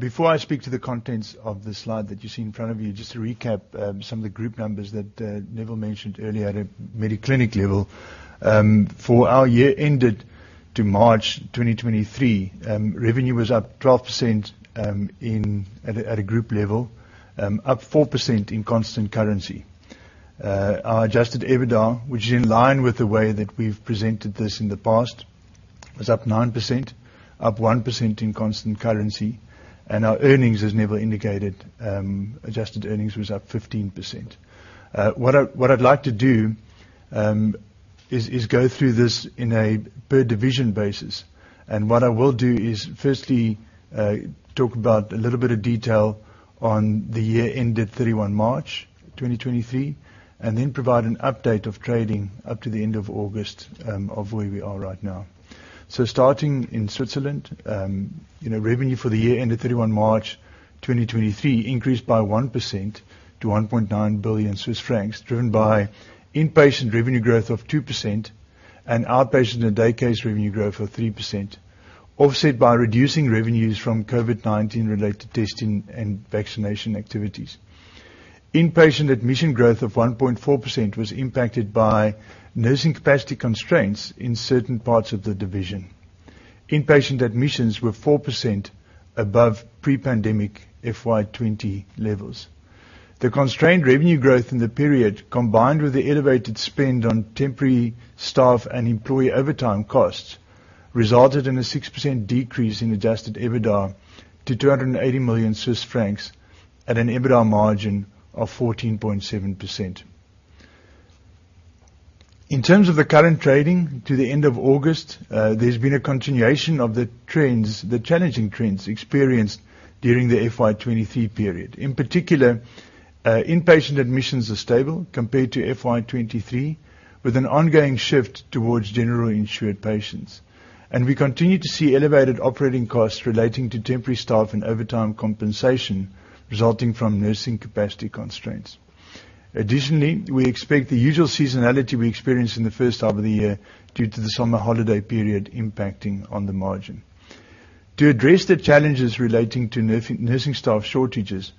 Before I speak to the contents of the slide that you see in front of you, just to recap some of the group numbers that Neville mentioned earlier at a Mediclinic level. For our year ended to March 2023, revenue was up 12% at a group level, up 4% in constant currency. Our Adjusted EBITDA, which is in line with the way that we've presented this in the past, was up 9%, up 1% in constant currency, and our earnings, as Neville indicated, adjusted earnings was up 15%. What I'd like to do is go through this on a per division basis, and what I will do is firstly talk about a little bit of detail on the year ended 31 March 2023, and then provide an update of trading up to the end of August of where we are right now. So starting in Switzerland, you know, revenue for the year ended 31 March 2023 increased by 1% to 1.9 billion Swiss francs, driven by inpatient revenue growth of 2% and outpatient and day case revenue growth of 3%, offset by reducing revenues from COVID-19-related testing and vaccination activities. Inpatient admission growth of 1.4% was impacted by nursing capacity constraints in certain parts of the division. Inpatient admissions were 4% above pre-pandemic FY 2020 levels. The constrained revenue growth in the period, combined with the elevated spend on temporary staff and employee overtime costs, resulted in a 6% decrease in Adjusted EBITDA to 280 million Swiss francs at an EBITDA margin of 14.7%. In terms of the current trading to the end of August, there's been a continuation of the trends, the challenging trends experienced during the FY 2023 period. In particular, inpatient admissions are stable compared to FY 2023, with an ongoing shift towards generally insured patients. And we continue to see elevated operating costs relating to temporary staff and overtime compensation, resulting from nursing capacity constraints. Additionally, we expect the usual seasonality we experienced in the first half of the year due to the summer holiday period impacting on the margin. To address the challenges relating to nursing staff shortages,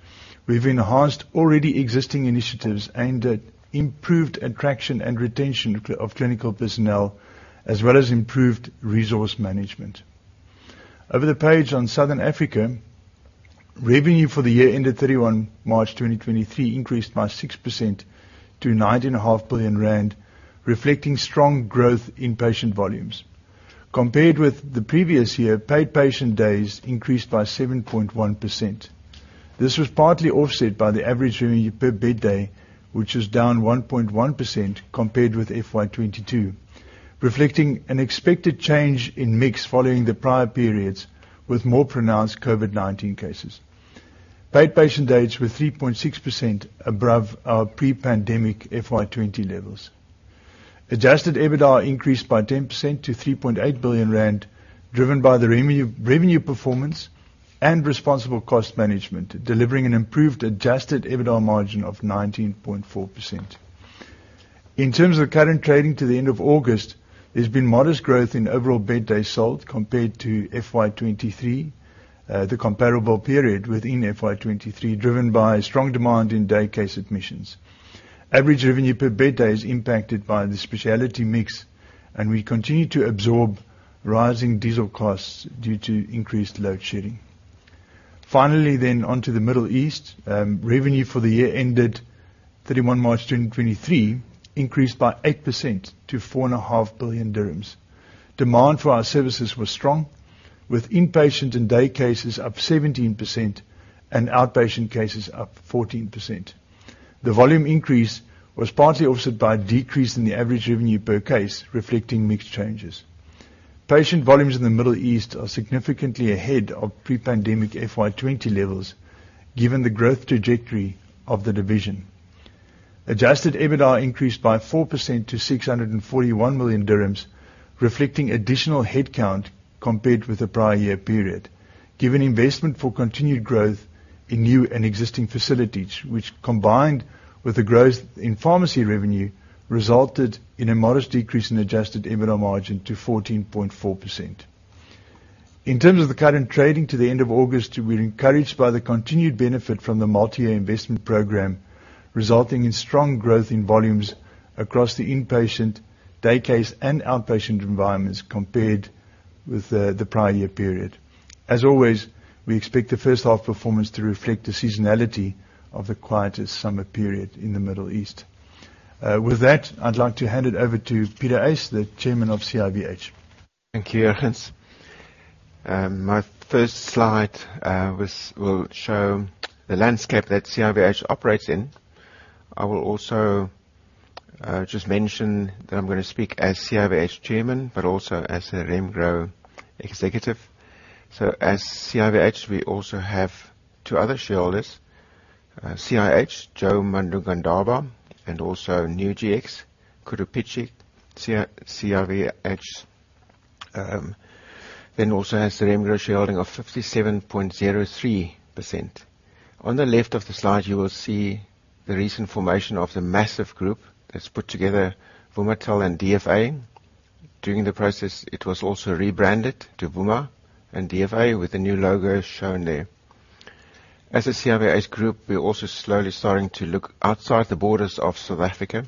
we've enhanced already existing initiatives aimed at improved attraction and retention of clinical personnel, as well as improved resource management. Over the page on Southern Africa, revenue for the year ended 31 March 2023 increased by 6% to 9.5 billion rand, reflecting strong growth in patient volumes. Compared with the previous year, paid patient days increased by 7.1%. This was partly offset by the average revenue per bed day, which was down 1.1% compared with FY 2022, reflecting an expected change in mix following the prior periods with more pronounced COVID-19 cases. Paid patient days were 3.6% above our pre-pandemic FY 2020 levels. Adjusted EBITDA increased by 10% to 3.8 billion rand, driven by the revenue, revenue performance and responsible cost management, delivering an improved adjusted EBITDA margin of 19.4%. In terms of current trading to the end of August, there's been modest growth in overall bed days sold compared to FY 2023, the comparable period within FY 2023, driven by strong demand in day case admissions. Average revenue per bed day is impacted by the speciality mix, and we continue to absorb rising diesel costs due to increased load shedding. Finally, onto the Middle East. Revenue for the year ended 31 March 2023 increased by 8% to 4.5 billion dirhams. Demand for our services was strong, with inpatient and day cases up 17% and outpatient cases up 14%. The volume increase was partly offset by a decrease in the average revenue per case, reflecting mixed changes. Patient volumes in the Middle East are significantly ahead of pre-pandemic FY 20 levels, given the growth trajectory of the division. Adjusted EBITDA increased by 4% to 641 million dirhams, reflecting additional headcount compared with the prior year period. Given investment for continued growth in new and existing facilities, which, combined with the growth in pharmacy revenue, resulted in a modest decrease in Adjusted EBITDA margin to 14.4%. In terms of the current trading to the end of August, we're encouraged by the continued benefit from the multi-year investment program, resulting in strong growth in volumes across the inpatient, day case, and outpatient environments compared with the prior year period. As always, we expect the first half performance to reflect the seasonality of the quietest summer period in the Middle East. With that, I'd like to hand it over to Pieter Uys, the Chairman of CIVH.... Thank you, Jurgens. My first slide will show the landscape that CIVH operates in. I will also just mention that I'm gonna speak as CIVH chairman, but also as a Remgro executive. So as CIVH, we also have two other shareholders, CIH, Joe Madungandaba, and also New GX, Khudusela Pitje. CIVH then also has the Remgro shareholding of 57.03%. On the left of the slide, you will see the recent formation of the MAZIV group that's put together Vumatel and DFA. During the process, it was also rebranded to Vuma and DFA, with the new logo shown there. As a CIVH group, we're also slowly starting to look outside the borders of South Africa.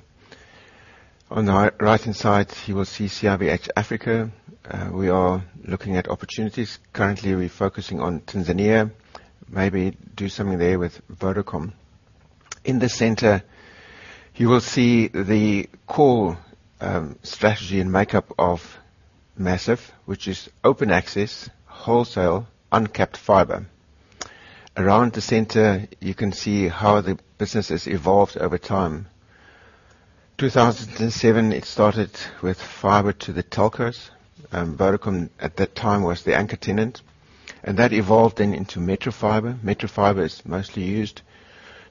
On the right-hand side, you will see CIVH Africa. We are looking at opportunities. Currently, we're focusing on Tanzania. Maybe do something there with Vodacom. In the center, you will see the core strategy and makeup of MAZIV, which is open access, wholesale, uncapped fiber. Around the center, you can see how the business has evolved over time. 2007, it started with fiber to the telcos. Vodacom, at that time, was the anchor tenant, and that evolved then into metro fiber. Metro fiber is mostly used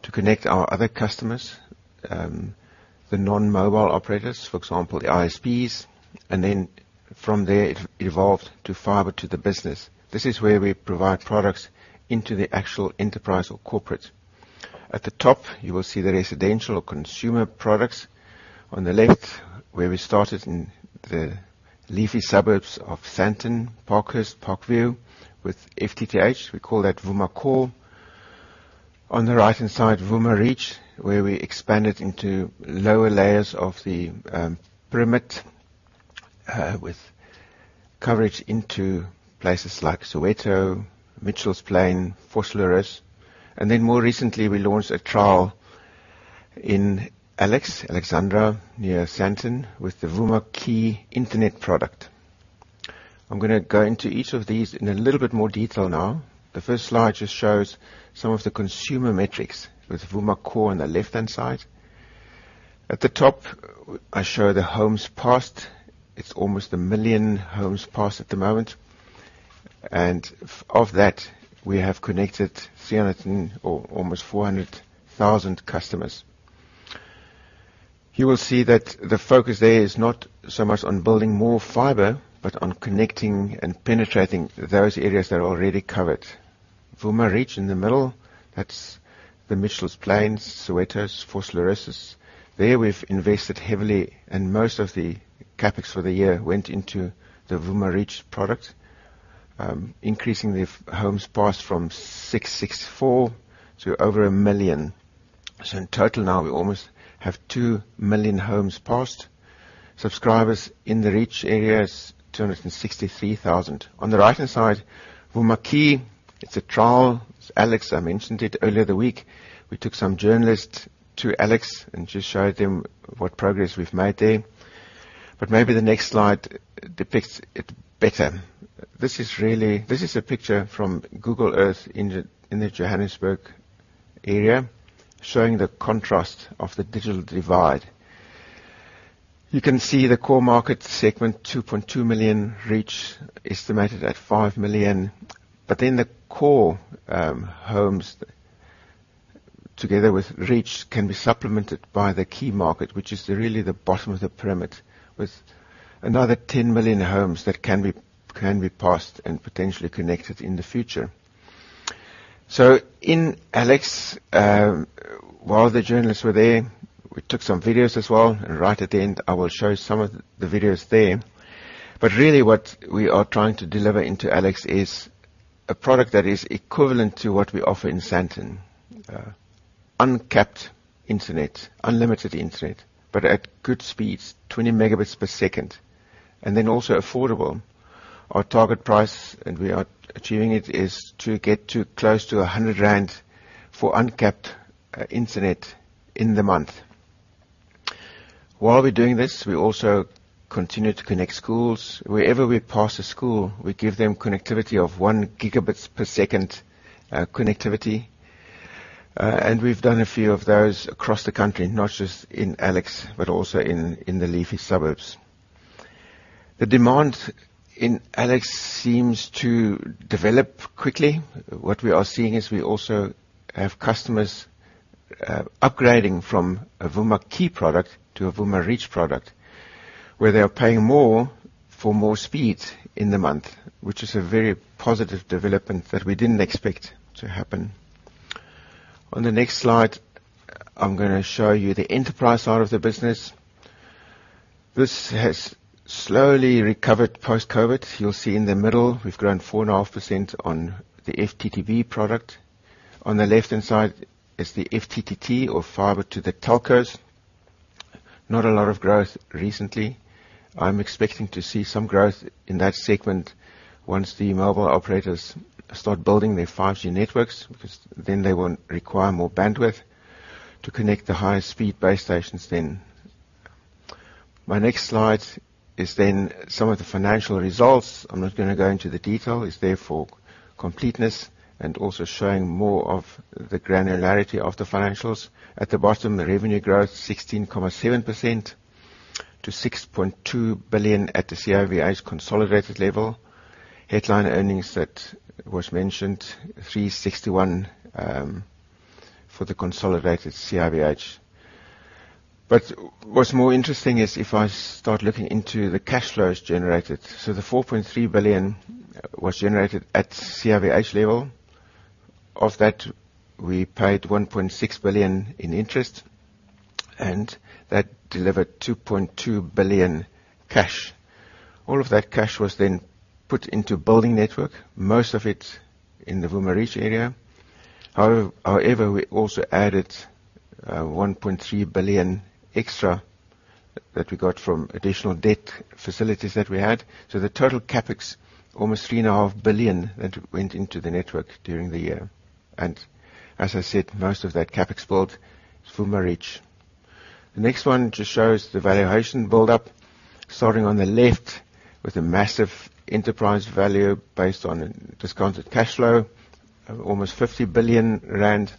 to connect our other customers, the non-mobile operators, for example, the ISPs, and then from there, it evolved to fiber to the business. This is where we provide products into the actual enterprise or corporate. At the top, you will see the residential or consumer products. On the left, where we started in the leafy suburbs of Sandton, Parkhurst, Parkview, with FTTH, we call that Vuma Core. On the right-hand side, Vuma Reach, where we expanded into lower layers of the pyramid, with coverage into places like Soweto, Mitchells Plain, Vosloorus, and then more recently, we launched a trial in Alex, Alexandra, near Sandton, with the Vuma Key internet product. I'm gonna go into each of these in a little bit more detail now. The first slide just shows some of the consumer metrics, with Vuma Core on the left-hand side. At the top, I show the homes passed. It's almost a million homes passed at the moment, and of that, we have connected 300 or almost 400,000 customers. You will see that the focus there is not so much on building more fiber, but on connecting and penetrating those areas that are already covered. Vuma Reach in the middle, that's the Mitchells Plain, Soweto, Vosloorus. There, we've invested heavily, and most of the CapEx for the year went into the Vuma Reach product. Increasing the homes passed from 664 to over 1 million. So in total, now we almost have 2 million homes passed. Subscribers in the reach areas, 263,000. On the right-hand side, Vuma Key, it's a trial. It's Alex. I mentioned it earlier this week. We took some journalists to Alex and just showed them what progress we've made there. But maybe the next slide depicts it better. This is a picture from Google Earth in the Johannesburg area, showing the contrast of the digital divide. You can see the core market segment, 2.2 million, reach estimated at 5 million. The core homes, together with reach, can be supplemented by the key market, which is really the bottom of the pyramid, with another 10 million homes that can be passed and potentially connected in the future. In Alex, while the journalists were there, we took some videos as well, and right at the end, I will show some of the videos there. Really, what we are trying to deliver into Alex is a product that is equivalent to what we offer in Sandton. Uncapped internet, unlimited internet, but at good speeds, 20 Mbps, and then also affordable. Our target price, and we are achieving it, is to get to close to 100 rand for uncapped internet in the month. While we're doing this, we also continue to connect schools. Wherever we pass a school, we give them connectivity of 1 Gbps. We've done a few of those across the country, not just in Alex, but also in, in the leafy suburbs. The demand in Alex seems to develop quickly. What we are seeing is we also have customers upgrading from a Vuma Key product to a Vuma Reach product, where they are paying more for more speeds in the month, which is a very positive development that we didn't expect to happen. On the next slide, I'm gonna show you the enterprise side of the business. This has slowly recovered post-COVID. You'll see in the middle, we've grown 4.5% on the FTTB product. On the left-hand side is the FTTT or fiber to the telcos. Not a lot of growth recently. I'm expecting to see some growth in that segment once the mobile operators start building their 5G networks, because then they will require more bandwidth... to connect the high-speed base stations then. My next slide is then some of the financial results. I'm not gonna go into the detail. It's there for completeness and also showing more of the granularity of the financials. At the bottom, the revenue growth, 16.7% to 6.2 billion at the CIVH's consolidated level. Headline earnings that was mentioned, 361, for the consolidated CIVH. But what's more interesting is if I start looking into the cash flows generated. So the 4.3 billion was generated at CIVH level. Of that, we paid 1.6 billion in interest, and that delivered 2.2 billion cash. All of that cash was then put into building network, most of it in the Vuma Reach area. However, we also added, one point three billion extra that we got from additional debt facilities that we had. So the total CapEx, almost three and a half billion, that went into the network during the year, and as I said, most of that CapEx build is Vuma Reach. The next one just shows the valuation build-up, starting on the left with a massive enterprise value based on a discounted cash flow of almost 50 billion rand.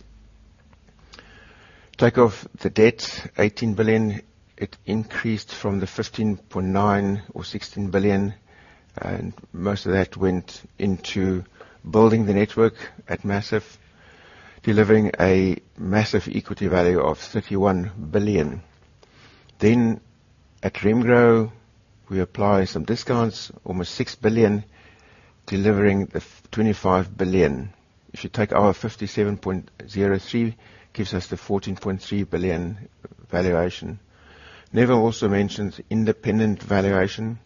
Take off the debt, 18 billion, it increased from the 15.9 or 16 billion, and most of that went into building the network at MAZIV, delivering a massive equity value of 31 billion. Then at Remgro, we apply some discounts, almost 6 billion, delivering the twenty-five billion. If you take our 57.03, gives us the 14.3 billion valuation. Neville also mentioned independent valuation.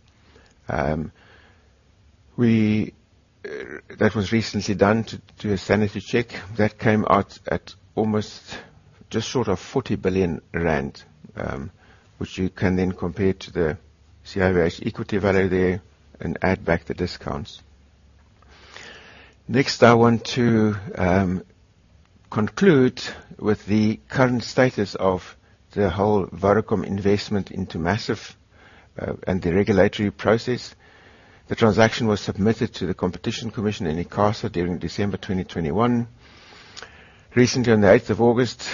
We, that was recently done to do a sanity check. That came out at almost just short of 40 billion rand, which you can then compare to the CIVH equity value there and add back the discounts. Next, I want to conclude with the current status of the whole Vodacom investment into MAZIV, and the regulatory process. The transaction was submitted to the Competition Commission in ICASA during December 2021. Recently, on the 8th of August,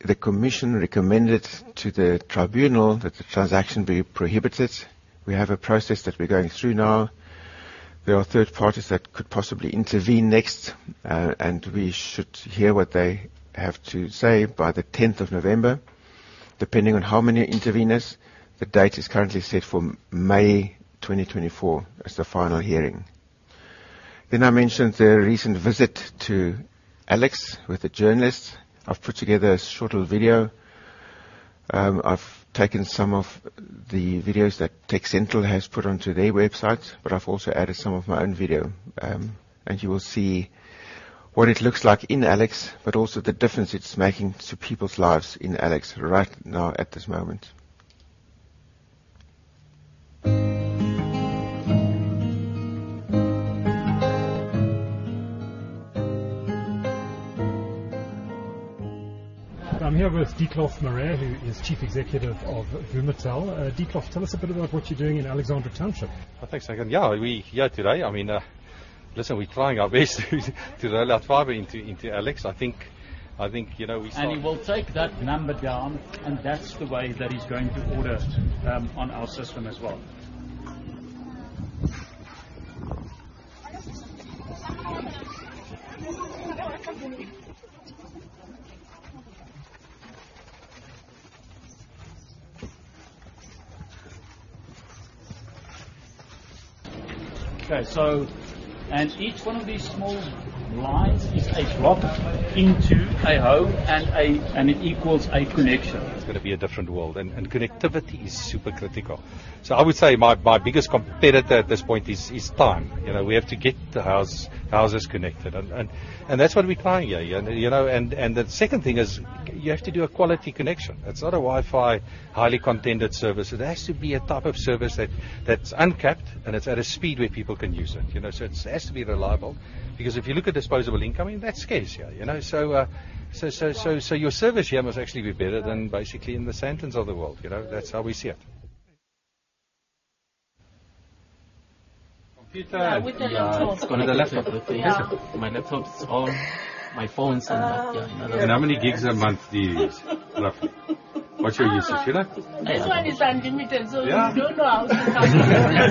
the commission recommended to the tribunal that the transaction be prohibited. We have a process that we're going through now. There are third parties that could possibly intervene next, and we should hear what they have to say by the 10th of November. Depending on how many interveners, the date is currently set for May 2024 as the final hearing. I mentioned the recent visit to Alex with the journalists. I've put together a short little video. I've taken some of the videos that Tech Central has put onto their website, but I've also added some of my own video. You will see what it looks like in Alex, but also the difference it's making to people's lives in Alex right now, at this moment. I'm here with Dietlof Mare, who is Chief Executive of Vumatel. Dietlof, tell us a bit about what you're doing in Alexandra Township. Thanks, again. Yeah, we're here today. I mean, listen, we're trying our best to roll out fiber into Alex. I think, you know, we start- He will take that number down, and that's the way that he's going to order on our system as well. Okay, so each one of these small lines is a drop into a home, and it equals a connection. It's gonna be a different world, and connectivity is super critical. So I would say my biggest competitor at this point is time. You know, we have to get the houses connected, and that's what we're trying here. You know, and the second thing is, you have to do a quality connection. It's not a Wi-Fi, highly contended service. It has to be a type of service that's uncapped, and it's at a speed where people can use it, you know. So it has to be reliable, because if you look at disposable income, I mean, that's scarce here, you know? So, your service here must actually be better than basically in the Sandtons of the world, you know. That's how we see it. Computer- Yeah, with the laptop. With the laptop. Yeah. My laptop's on, my phone's on. How many gigs a month do you use, roughly? What's your usage, you know? This one is unlimited, so- Yeah... we don't know how to count.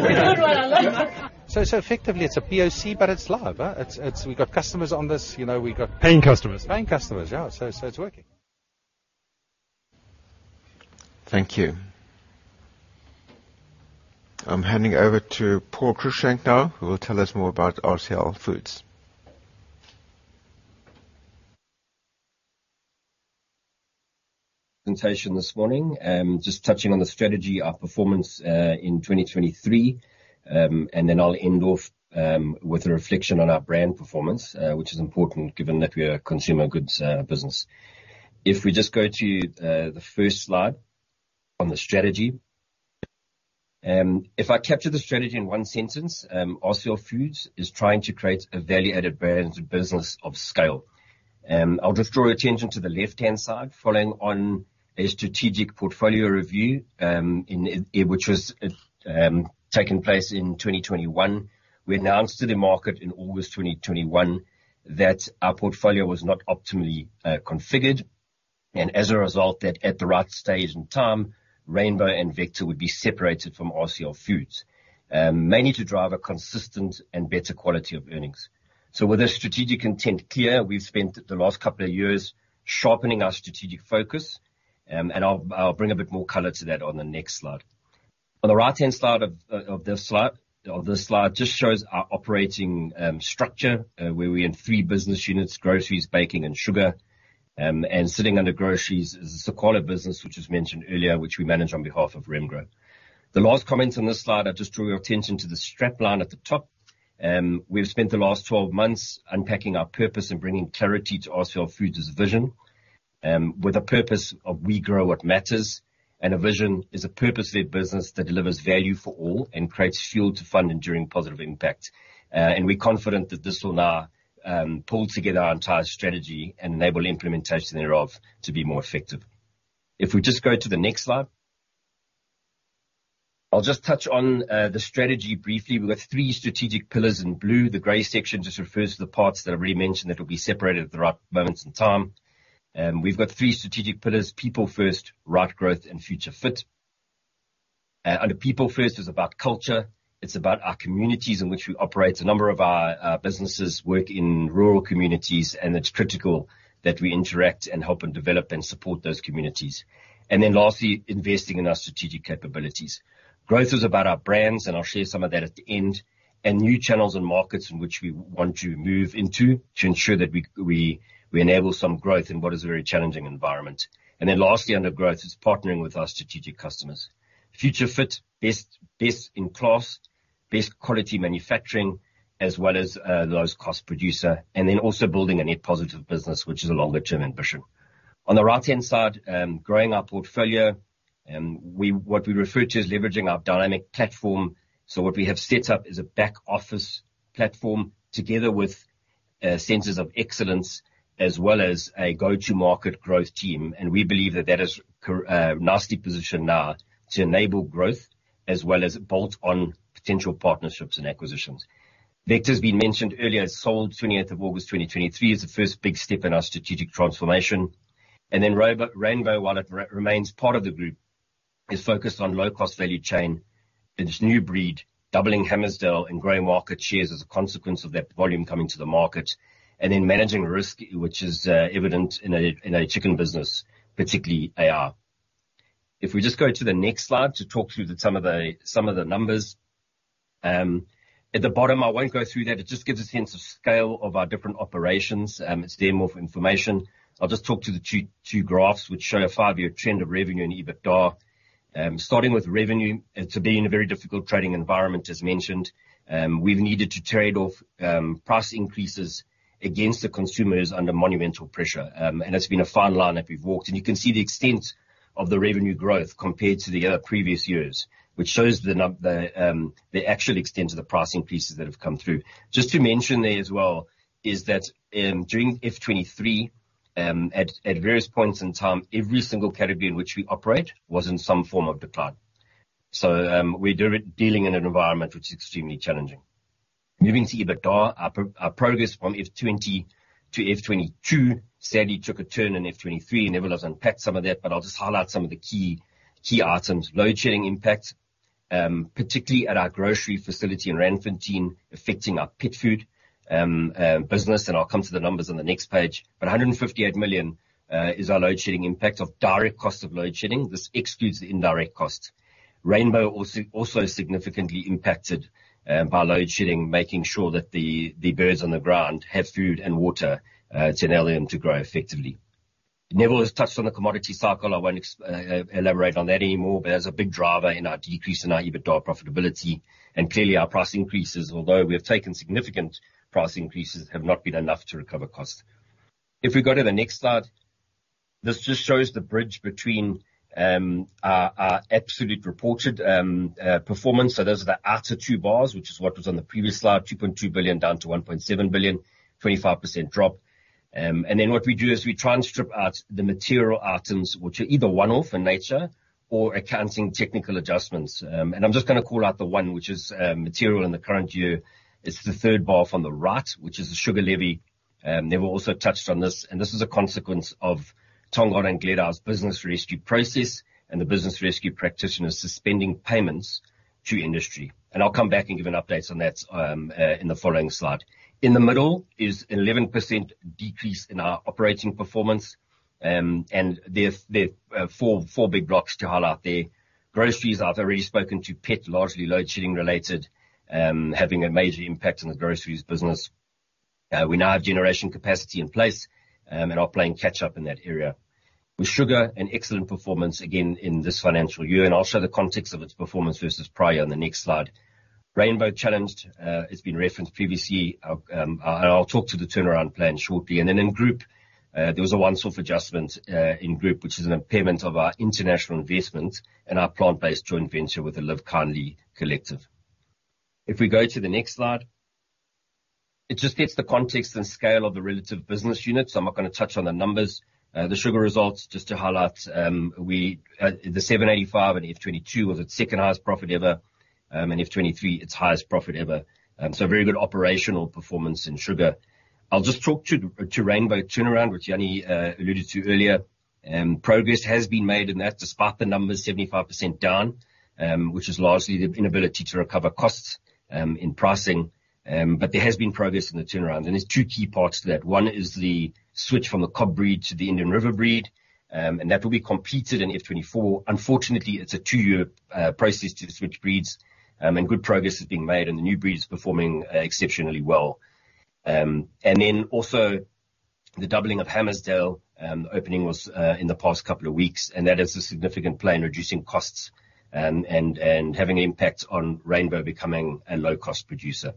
We don't know how. So, so effectively it's a POC, but it's live, huh? It's, it's we got customers on this, you know, we got- Paying customers. Paying customers, yeah. So, so it's working. Thank you. I'm handing over to Paul Cruickshank now, who will tell us more about RCL FOODS. Presentation this morning. Just touching on the strategy, our performance in 2023, and then I'll end off with a reflection on our brand performance, which is important, given that we are a consumer goods business. If we just go to the first slide on the strategy. If I capture the strategy in one sentence, RCL FOODS is trying to create a value-added branded business of scale. I'll just draw your attention to the left-hand side. Following on a strategic portfolio review, which was taking place in 2021, we announced to the market in August 2021 that our portfolio was not optimally configured, and as a result, that at the right stage in time, Rainbow and Vector would be separated from RCL FOODS, mainly to drive a consistent and better quality of earnings. With this strategic intent clear, we've spent the last couple of years sharpening our strategic focus. I'll bring a bit more color to that on the next slide. On the right-hand side of this slide, this slide just shows our operating structure, where we're in three business units: groceries, baking, and sugar. Sitting under groceries is the Siqalo Foods business, which was mentioned earlier, which we manage on behalf of Remgro. The last comments on this slide, I'll just draw your attention to the strap line at the top. We've spent the last 12 months unpacking our purpose and bringing clarity to RCL FOODS's vision, with a purpose of We Grow What Matters, and a vision is a purpose-led business that delivers value for all and creates fuel to fund enduring positive impact. And we're confident that this will now pull together our entire strategy and enable implementation thereof to be more effective. If we just go to the next slide. I'll just touch on the strategy briefly. We've got three strategic pillars in blue. The gray section just refers to the parts that I've already mentioned, that will be separated at the right moments in time. We've got three strategic pillars: people first, right growth, and future fit. Under people first is about culture. It's about our communities in which we operate. A number of our businesses work in rural communities, and it's critical that we interact and help, and develop, and support those communities. And then lastly, investing in our strategic capabilities. Growth is about our brands, and I'll share some of that at the end, and new channels and markets in which we want to move into to ensure that we enable some growth in what is a very challenging environment. And then lastly, under growth, is partnering with our strategic customers. Future fit, best in class, best quality manufacturing, as well as lowest cost producer, and then also building a net positive business, which is a longer term ambition. On the right-hand side, growing our portfolio, what we refer to as leveraging our dynamic platform. So what we have set up is a back office platform, together with centers of excellence, as well as a go-to market growth team. And we believe that that is nicely positioned now to enable growth, as well as bolt on potential partnerships and acquisitions. Vector's been mentioned earlier, sold 20th of August 2023, is the first big step in our strategic transformation. Robo- Rainbow, while it remains part of the group, is focused on low-cost value chain, its new breed, doubling Hammarsdale and growing market shares as a consequence of that volume coming to the market, and then managing risk, which is, evident in a, in a chicken business, particularly AR. If we just go to the next slide to talk through some of the, some of the numbers. At the bottom, I won't go through that. It just gives a sense of scale of our different operations, it's there more for information. I'll just talk to the two, two graphs, which show a five-year trend of revenue and EBITDA. Starting with revenue, it's been a very difficult trading environment, as mentioned. We've needed to trade off price increases against the consumers under monumental pressure. And it's been a fine line that we've walked, and you can see the extent of the revenue growth compared to the previous years, which shows the actual extent of the pricing pieces that have come through. Just to mention there as well, is that during F 2023, at various points in time, every single category in which we operate was in some form of decline. So, we're dealing in an environment which is extremely challenging. Moving to EBITDA, our progress from F 2020 to F 2022 sadly took a turn in F 2023, and Neville has unpacked some of that, but I'll just highlight some of the key items. Load shedding impact, particularly at our grocery facility in Randfontein, affecting our pet food business, and I'll come to the numbers on the next page. But 158 million is our load shedding impact of direct cost of load shedding. This excludes the indirect costs. Rainbow also significantly impacted by load shedding, making sure that the birds on the ground have food and water; it's an element to grow effectively. Neville has touched on the commodity cycle. I won't elaborate on that anymore, but there's a big driver in our decrease in our EBITDA profitability, and clearly our price increases, although we have taken significant price increases, have not been enough to recover cost. If we go to the next slide, this just shows the bridge between our absolute reported performance. So those are the outer two bars, which is what was on the previous slide, 2.2 billion-1.7 billion, 25% drop. And then what we do is we try and strip out the material items, which are either one-off in nature or accounting technical adjustments. And I'm just gonna call out the one which is material in the current year. It's the third bar from the right, which is the sugar levy. Neville also touched on this, and this is a consequence of Tongaat and Gledhow's business rescue process, and the business rescue practitioner suspending payments to industry. And I'll come back and give an update on that in the following slide. In the middle is 11% decrease in our operating performance, and there four big blocks to highlight there. Groceries, I've already spoken to that, largely load shedding related, having a major impact on the groceries business. We now have generation capacity in place and are playing catch up in that area. With sugar, an excellent performance again in this financial year, and I'll show the context of its performance versus prior on the next slide. Rainbow challenged, it's been referenced previously. I, and I'll talk to the turnaround plan shortly. In group, there was a once-off adjustment in group, which is an impairment of our international investment and our plant-based joint venture with the LIVEKINDLY Collective. If we go to the next slide, it just gives the context and scale of the relative business units. I'm not gonna touch on the numbers. The sugar results, just to highlight, we, the 785 in F2022 was its second highest profit ever, and F2023, its highest profit ever. Very good operational performance in sugar. I'll just talk to Rainbow turnaround, which Jannie alluded to earlier. Progress has been made in that, despite the numbers 75% down, which is largely the inability to recover costs in pricing. There has been progress in the turnaround, and there's two key parts to that: one is the switch from the Cobb breed to the Indian River breed, and that will be completed in F2024. Unfortunately, it's a two-year process to switch breeds, and good progress is being made, and the new breed is performing exceptionally well. And then also, the doubling of Hammarsdale, the opening was in the past couple of weeks, and that is a significant play in reducing costs, and having an impact on Rainbow becoming a low-cost producer.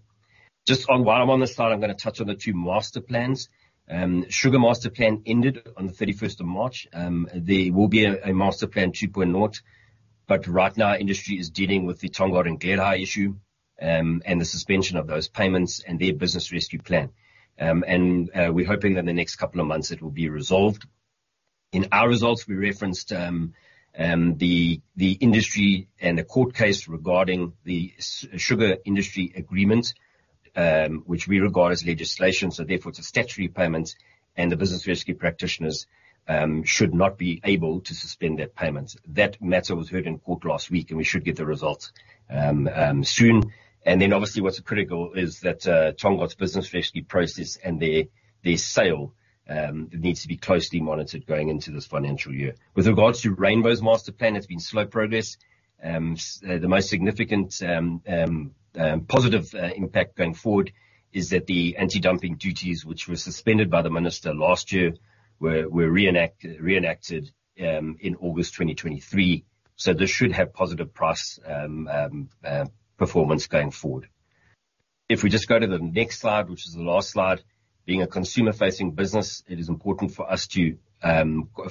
Just on. While I'm on this slide, I'm gonna touch on the two master plans. Sugar master plan ended on the thirty-first of March. There will be a master plan 2.0, but right now, industry is dealing with the Tongaat Hulett issue, and the suspension of those payments and their business rescue plan. And we're hoping that in the next couple of months it will be resolved. In our results, we referenced the industry and the court case regarding the sugar industry agreement, which we regard as legislation, so therefore, the statutory payments and the business rescue practitioners should not be able to suspend that payment. That matter was heard in court last week, and we should get the results soon. Then, obviously, what's critical is that Tongaat's business rescue process and their sale needs to be closely monitored going into this financial year. With regards to Rainbow's master plan, it's been slow progress. The most significant positive impact going forward is that the anti-dumping duties, which were suspended by the minister last year, were reenacted in August 2023, so this should have positive price performance going forward. If we just go to the next slide, which is the last slide. Being a consumer-facing business, it is important for us to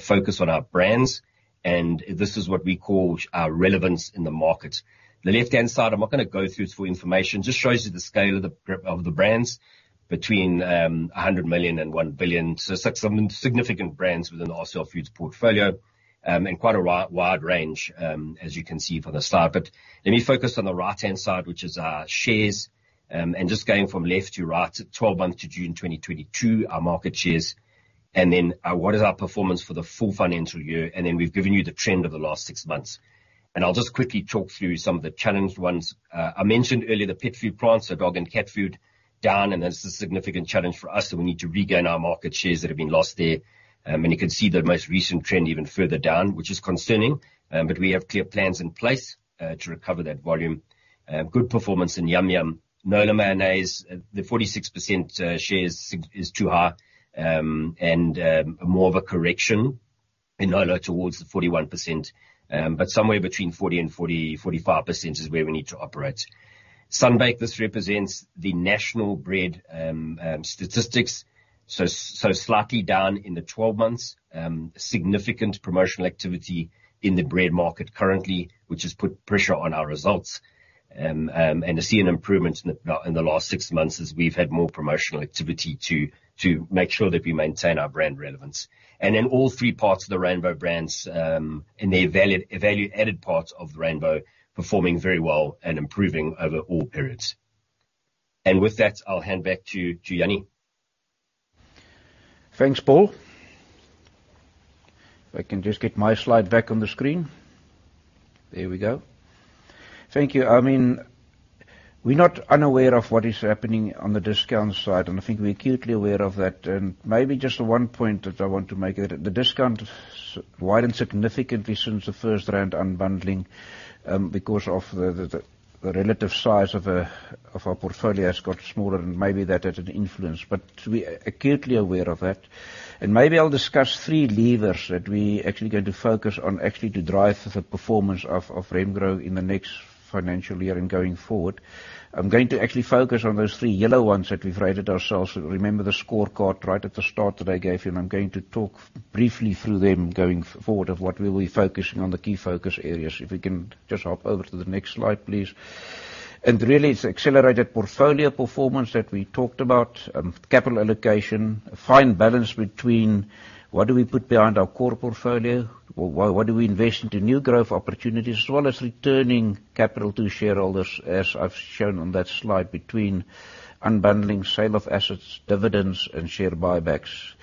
focus on our brands, and this is what we call our relevance in the market. The left-hand side, I'm not gonna go through it, it's for information. Just shows you the scale of the brands between 100 million and 1 billion. So six significant brands within the RCL FOODS portfolio, and quite a wide range, as you can see from the slide. Let me focus on the right-hand side, which is our shares, and just going from left to right, 12 months to June 2022, our market shares, and then what is our performance for the full financial year, and then we've given you the trend of the last six months. I'll just quickly talk through some of the challenged ones. I mentioned earlier the pet food brands, so dog and cat food, down, and that's a significant challenge for us, so we need to regain our market shares that have been lost there. You can see the most recent trend even further down, which is concerning, but we have clear plans in place to recover that volume. Good performance in Yum Yum. Nola Mayonnaise, the 46% shares is too high, and more of a correction in Nola towards the 41%, but somewhere between 40%-45% is where we need to operate. Sunbake, this represents the national bread statistics, so slightly down in the 12 months. Significant promotional activity in the bread market currently, which has put pressure on our results. And to see an improvement in the last six months is we've had more promotional activity to make sure that we maintain our brand relevance. And in all three parts of the Rainbow brands, in their value-added parts of the Rainbow, performing very well and improving over all periods. And with that, I'll hand back to Jannie. Thanks, Paul. If I can just get my slide back on the screen. There we go. Thank you. I mean, we're not unaware of what is happening on the discount side, and I think we're acutely aware of that, and maybe just one point that I want to make, that the discount widened significantly since the FirstRand unbundling, because of the relative size of our portfolio has got smaller, and maybe that had an influence. But we are acutely aware of that, and maybe I'll discuss three levers that we actually going to focus on actually to drive the performance of Remgro in the next financial year and going forward. I'm going to actually focus on those three yellow ones that we've rated ourselves. Remember the scorecard right at the start that I gave you, and I'm going to talk briefly through them going forward, of what we'll be focusing on the key focus areas. If we can just hop over to the next slide, please. And really, it's accelerated portfolio performance that we talked about, capital allocation, a fine balance between what do we put behind our core portfolio, or what do we invest into new growth opportunities, as well as returning capital to shareholders, as I've shown on that slide, between unbundling, sale of assets, dividends, and share buybacks.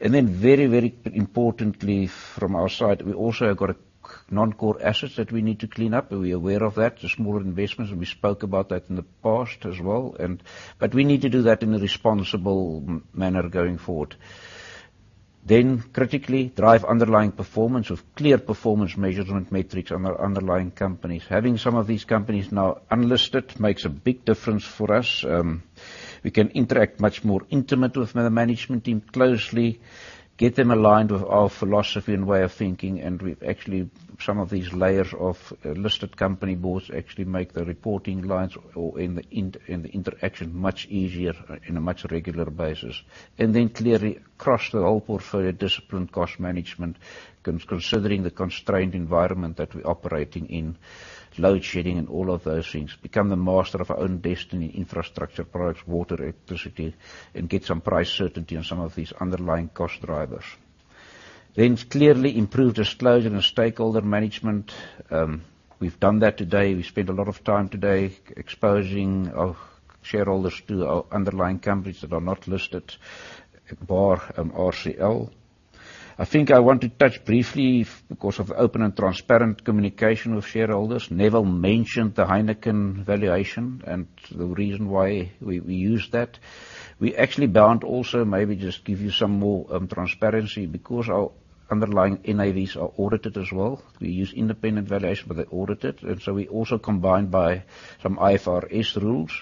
And then very, very importantly from our side, we also have got a non-core assets that we need to clean up. We're aware of that, the smaller investments, and we spoke about that in the past as well, and... But we need to do that in a responsible manner going forward. Then critically drive underlying performance with clear performance measurement metrics on our underlying companies. Having some of these companies now unlisted makes a big difference for us. We can interact much more intimately with the management team closely, get them aligned with our philosophy and way of thinking, and we've actually, some of these layers of listed company boards actually make the reporting lines and the interaction much easier on a much more regular basis. And then clearly, across the whole portfolio, disciplined cost management, considering the constrained environment that we're operating in, load shedding and all of those things. Become the master of our own destiny, infrastructure, products, water, electricity, and get some price certainty on some of these underlying cost drivers. Then clearly improve disclosure and stakeholder management. We've done that today. We spent a lot of time today exposing our shareholders to our underlying companies that are not listed, bar RCL. I think I want to touch briefly because of open and transparent communication with shareholders. Neville mentioned the Heineken valuation and the reason why we, we use that. We actually bound also, maybe just give you some more transparency, because our underlying NAVs are audited as well. We use independent valuation, but they're audited, and so we also combined by some IFRS rules,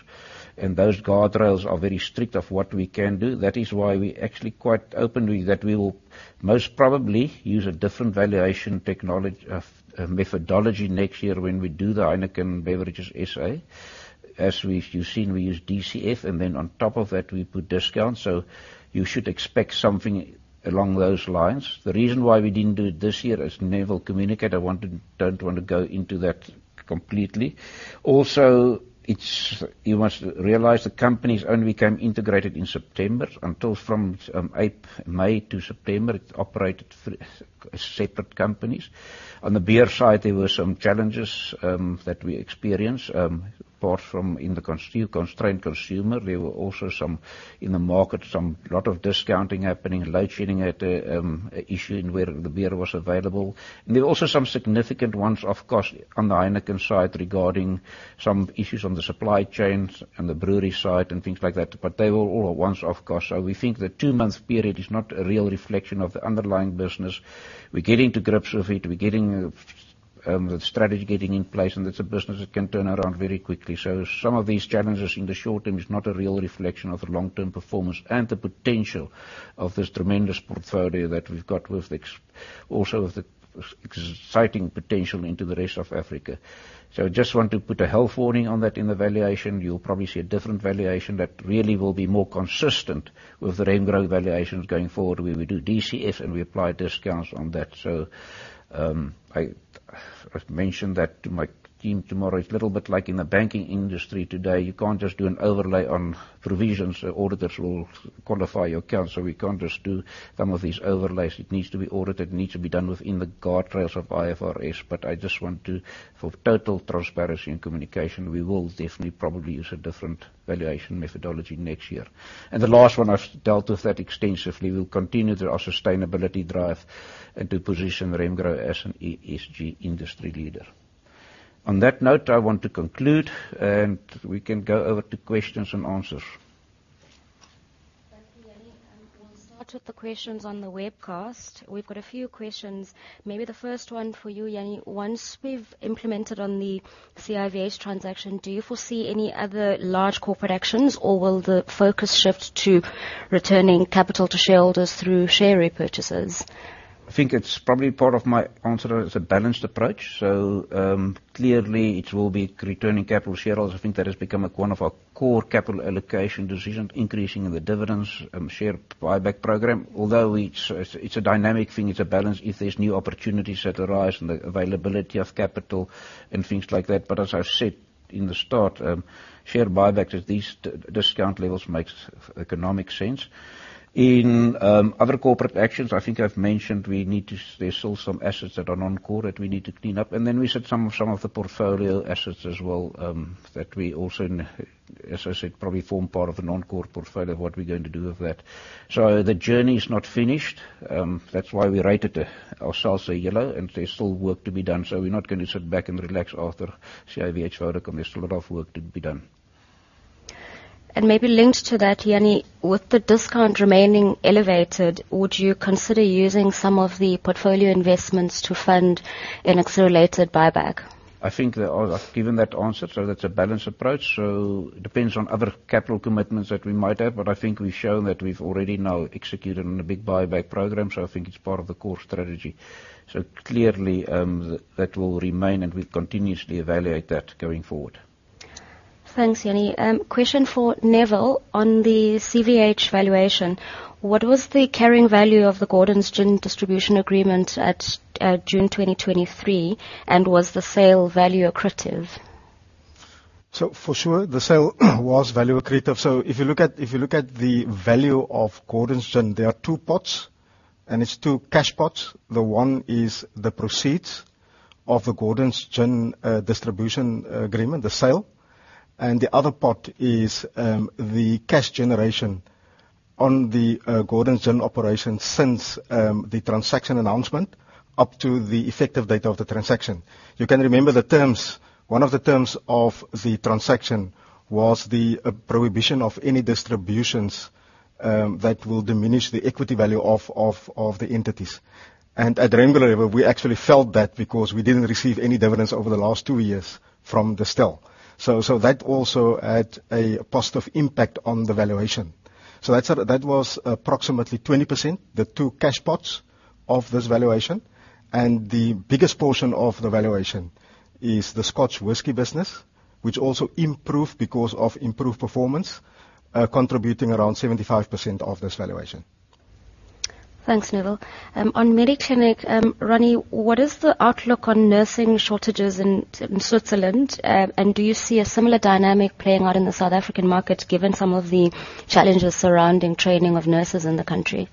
and those guardrails are very strict of what we can do. That is why we actually quite openly that we will most probably use a different valuation technolo- methodology next year when we do the Heineken Beverages SA. As we've... You've seen, we use DCF, and then on top of that, we put discounts. So you should expect something along those lines. The reason why we didn't do it this year, as Neville communicated, don't want to go into that completely. Also, it's... You must realize the companies only became integrated in September. From 8 May to September, it operated three separate companies. On the beer side, there were some challenges that we experienced. Apart from the constrained consumer, there were also some in the market, a lot of discounting happening, load shedding had an issue in where the beer was available. And there were also some significant ones, of course, on the Heineken side, regarding some issues on the supply chains and the brewery side and things like that, but they were all one-off costs. So we think the two-month period is not a real reflection of the underlying business. We're getting to grips with it. We're getting the strategy getting in place, and it's a business that can turn around very quickly. So some of these challenges in the short term is not a real reflection of the long-term performance and the potential of this tremendous portfolio that we've got with exciting potential into the rest of Africa. So I just want to put a health warning on that in the valuation. You'll probably see a different valuation that really will be more consistent with the Remgro valuations going forward, where we do DCF, and we apply discounts on that. So, I’ve mentioned that to my team tomorrow. It's a little bit like in the banking industry today. You can't just do an overlay on provisions. The auditors will qualify your account, so we can't just do some of these overlays. It needs to be audited. It needs to be done within the guardrails of IFRS, but I just want to, for total transparency and communication, we will definitely probably use a different valuation methodology next year. And the last one, I've dealt with that extensively. We'll continue with our sustainability drive and to position Remgro as an ESG industry leader. On that note, I want to conclude, and we can go over to questions and answers. Thank you, Jannie. We'll start with the questions on the webcast. We've got a few questions. Maybe the first one for you, Jannie: once we've implemented on the CIVH transaction, do you foresee any other large corporate actions, or will the focus shift to returning capital to shareholders through share repurchases? I think it's probably part of my answer. It's a balanced approach. So, clearly, it will be returning capital to shareholders. I think that has become a, one of our core capital allocation decisions, increasing the dividends and share buyback program. Although it's, it's a dynamic thing, it's a balance. If there's new opportunities that arise and the availability of capital and things like that, but as I've said in the start, share buyback at these discount levels makes economic sense. In other corporate actions, I think I've mentioned, we need to... There's still some assets that are non-core that we need to clean up, and then we said some, some of the portfolio assets as well, that we also, as I said, probably form part of a non-core portfolio, what we're going to do with that. So the journey is not finished. That's why we rated ourself a yellow, and there's still work to be done. So we're not going to sit back and relax after CIVH valuation. There's still a lot of work to be done. Maybe linked to that, Jannie, with the discount remaining elevated, would you consider using some of the portfolio investments to fund an accelerated buyback? I think that I've given that answer, so that's a balanced approach. So depends on other capital commitments that we might have, but I think we've shown that we've already now executed on a big buyback program, so I think it's part of the core strategy. So clearly, that will remain, and we continuously evaluate that going forward. Thanks, Jannie. Question for Neville, on the CIVH valuation, what was the carrying value of the Gordon's Gin distribution agreement at June 2023, and was the sale value accretive? So for sure, the sale was value accretive. So if you look at the value of Gordon's Gin, there are two pots, and it's two cash pots. The one is the proceeds of the Gordon's Gin distribution agreement, the sale, and the other pot is the cash generation on the Gordon's Gin operation since the transaction announcement up to the effective date of the transaction. You can remember the terms. One of the terms of the transaction was the prohibition of any distributions that will diminish the equity value of the entities. And at Remgro level, we actually felt that because we didn't receive any dividends over the last two years from Distell. So that also had a positive impact on the valuation. That's, that was approximately 20%, the two cash pots of this valuation, and the biggest portion of the valuation is the Scotch whisky business, which also improved because of improved performance, contributing around 75% of this valuation. Thanks, Neville. On Mediclinic, Ronnie, what is the outlook on nursing shortages in Switzerland? And do you see a similar dynamic playing out in the South African market, given some of the challenges surrounding training of nurses in the country?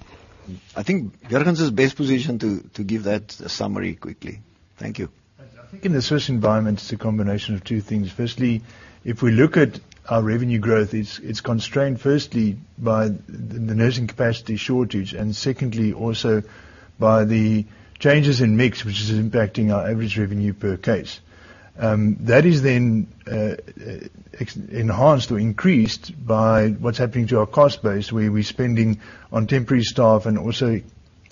I think Jurgens is best positioned to give that summary quickly. Thank you. I think in this first environment, it's a combination of two things. Firstly, if we look at our revenue growth, it's constrained, firstly, by the nursing capacity shortage, and secondly, also by the changes in mix, which is impacting our average revenue per case. That is then enhanced or increased by what's happening to our cost base, where we're spending on temporary staff and also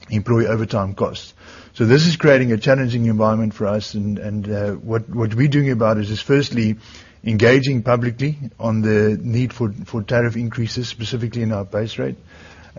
employee overtime costs. So this is creating a challenging environment for us, and what we're doing about it is firstly, engaging publicly on the need for tariff increases, specifically in our base rate.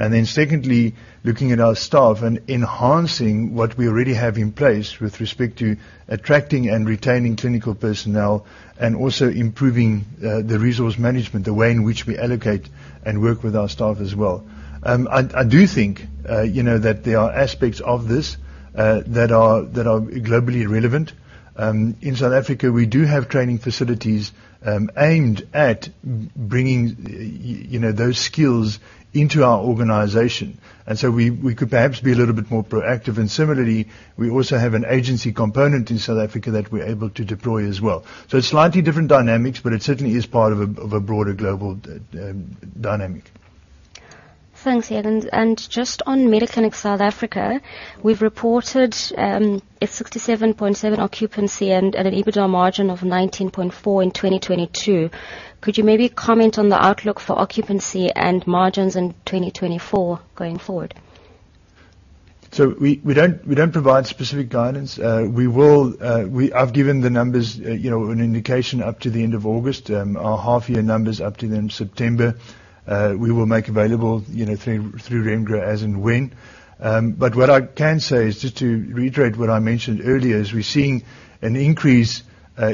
And then secondly, looking at our staff and enhancing what we already have in place with respect to attracting and retaining clinical personnel, and also improving the resource management, the way in which we allocate and work with our staff as well. I do think, you know, that there are aspects of this that are globally relevant. In South Africa, we do have training facilities aimed at bringing, you know, those skills into our organization, and so we could perhaps be a little bit more proactive. And similarly, we also have an agency component in South Africa that we're able to deploy as well. So it's slightly different dynamics, but it certainly is part of a broader global dynamic. Thanks, Jurgens. And just on Mediclinic, South Africa, we've reported a 67.7% occupancy and an EBITDA margin of 19.4% in 2022. Could you maybe comment on the outlook for occupancy and margins in 2024 going forward? So we don't provide specific guidance. We will... I've given the numbers, you know, an indication up to the end of August. Our half-year numbers up to then September, we will make available, you know, through Remgro as and when. But what I can say is, just to reiterate what I mentioned earlier, is we're seeing an increase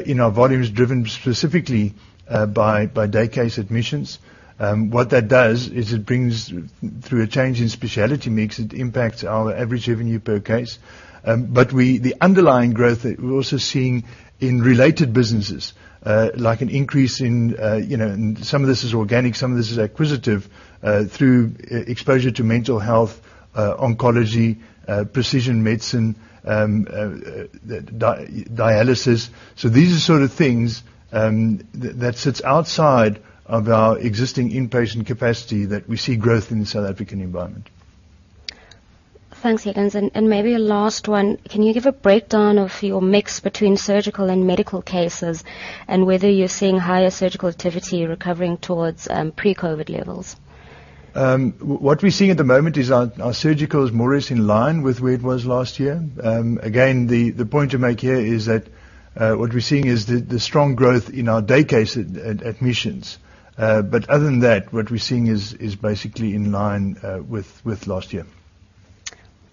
in our volumes driven specifically by daycase admissions. What that does is it brings, through a change in specialty mix, it impacts our average revenue per case. But the underlying growth, we're also seeing in related businesses, like an increase in, you know, and some of this is organic, some of this is acquisitive, through exposure to mental health, oncology, precision medicine, dialysis. These are sort of things that sits outside of our existing inpatient capacity that we see growth in the South African environment. Thanks, Jurgens. And maybe a last one, can you give a breakdown of your mix between surgical and medical cases and whether you're seeing higher surgical activity recovering towards pre-COVID levels? What we're seeing at the moment is our surgical is more or less in line with where it was last year. Again, the point to make here is that what we're seeing is the strong growth in our daycase admissions. But other than that, what we're seeing is basically in line with last year.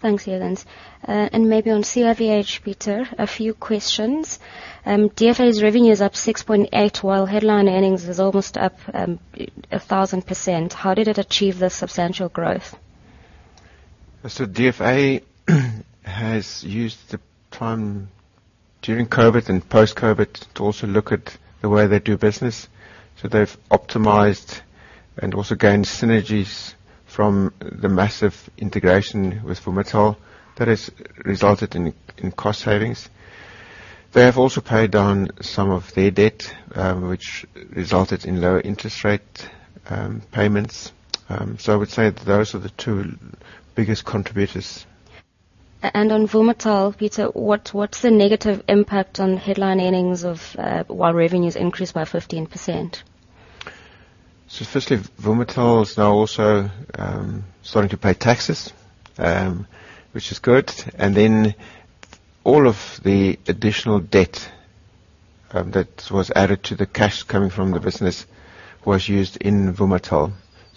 Thanks, Jurgens. Maybe on CIVH, Pieter, a few questions. DFA's revenue is up 6.8%, while headline earnings is almost up 1,000%. How did it achieve this substantial growth? So DFA has used the time during COVID and post-COVID to also look at the way they do business. So they've optimized and also gained synergies from the MAZIV integration with Vumatel that has resulted in cost savings. They have also paid down some of their debt, which resulted in lower interest rate payments. So I would say those are the two biggest contributors. On Vumatel, Pieter, what's the negative impact on headline earnings of while revenues increased by 15%? Firstly, Vumatel is now also starting to pay taxes, which is good. Then all of the additional debt that was added to the cash coming from the business was used in Vumatel.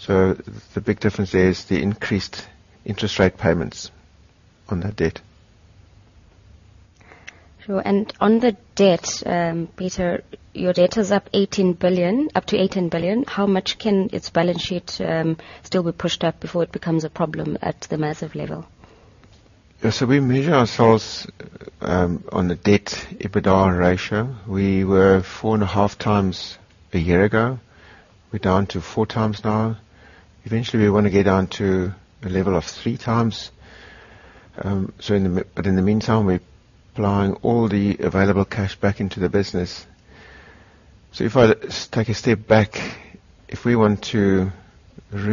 The big difference there is the increased interest rate payments on that debt. Sure. And on the debt, Pieter, your debt is up 18 billion, up to 18 billion. How much can its balance sheet still be pushed up before it becomes a problem at the MAZIV level? Yeah. So we measure ourselves on the debt EBITDA ratio. We were 4.5x a year ago. We're down to 4x now. Eventually, we want to get down to a level of 3x. But in the meantime, we're applying all the available cash back into the business. So if I take a step back-... if we want to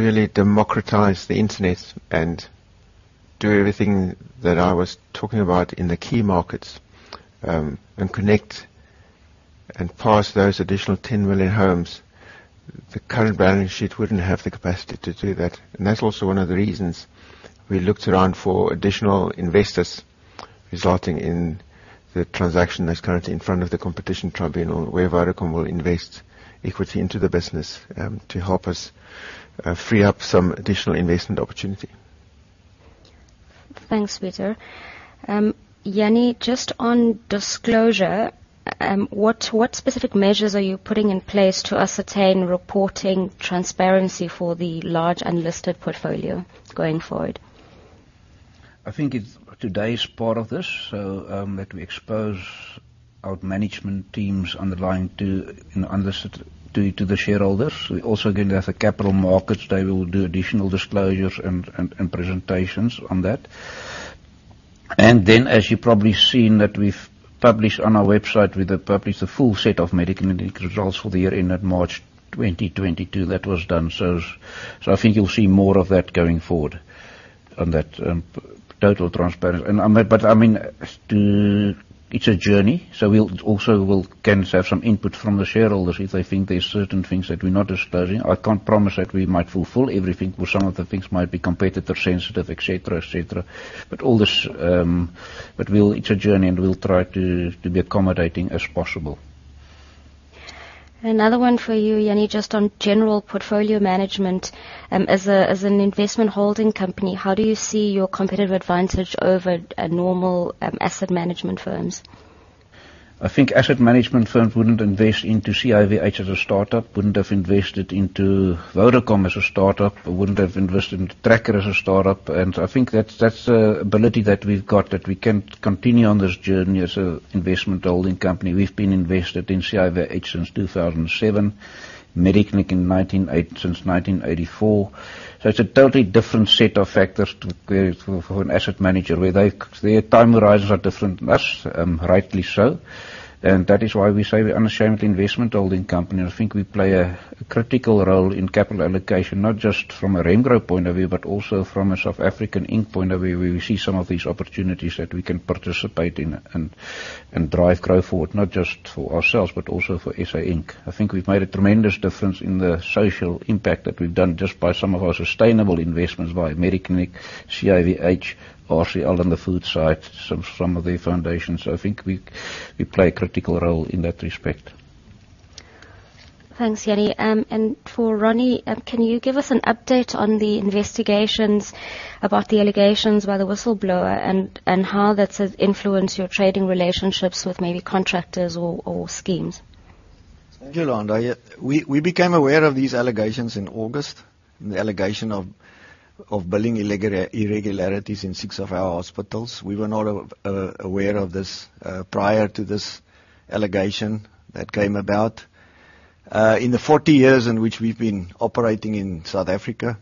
really democratize the internet and do everything that I was talking about in the key markets, and connect and pass those additional 10 million homes, the current balance sheet wouldn't have the capacity to do that. And that's also one of the reasons we looked around for additional investors, resulting in the transaction that's currently in front of the Competition Tribunal, where Vodacom will invest equity into the business, to help us, free up some additional investment opportunity. Thanks, Pieter. Jannie, just on disclosure, what specific measures are you putting in place to ascertain reporting transparency for the large unlisted portfolio going forward? I think it's—today is part of this, so that we expose our management teams underlying to, you know, unlist—to, to the shareholders. We also, again, as a capital markets, they will do additional disclosures and, and, and presentations on that. As you've probably seen, we've published on our website, we have published a full set of Mediclinic results for the year ending March 2022. That was done. I think you'll see more of that going forward on that, total transparency. I meant—I mean, to... It's a journey, so we'll also again have some input from the shareholders if they think there's certain things that we're not disclosing. I can't promise that we might fulfill everything, but some of the things might be competitor sensitive, et cetera, et cetera. All this... It's a journey, and we'll try to be accommodating as possible. Another one for you, Jannie, just on general portfolio management. As an investment holding company, how do you see your competitive advantage over a normal asset management firms? I think asset management firms wouldn't invest into CIVH as a startup, wouldn't have invested into Vodacom as a startup, or wouldn't have invested into Tracker as a startup. And I think that's, that's an ability that we've got, that we can continue on this journey as an investment holding company. We've been invested in CIVH since 2007, Mediclinic since 1984. So it's a totally different set of factors for an asset manager, where their time horizons are different than us, rightly so. And that is why we say we're unashamedly investment holding company, and I think we play a critical role in capital allocation, not just from a Remgro point of view, but also from a South Africa Inc. point of view, where we see some of these opportunities that we can participate in and drive growth forward, not just for ourselves, but also for SA Inc. I think we've made a tremendous difference in the social impact that we've done just by some of our sustainable investments by Mediclinic, CIVH, RCL on the food side, some of their foundations. So I think we play a critical role in that respect. Thanks, Jannie. And for Ronnie, can you give us an update on the investigations about the allegations by the whistleblower and how that has influenced your trading relationships with maybe contractors or schemes? Thank you, Yolanda. Yeah, we became aware of these allegations in August, the allegation of billing irregularities in 6 of our hospitals. We were not aware of this prior to this allegation that came about. In the 40 years in which we've been operating in South Africa,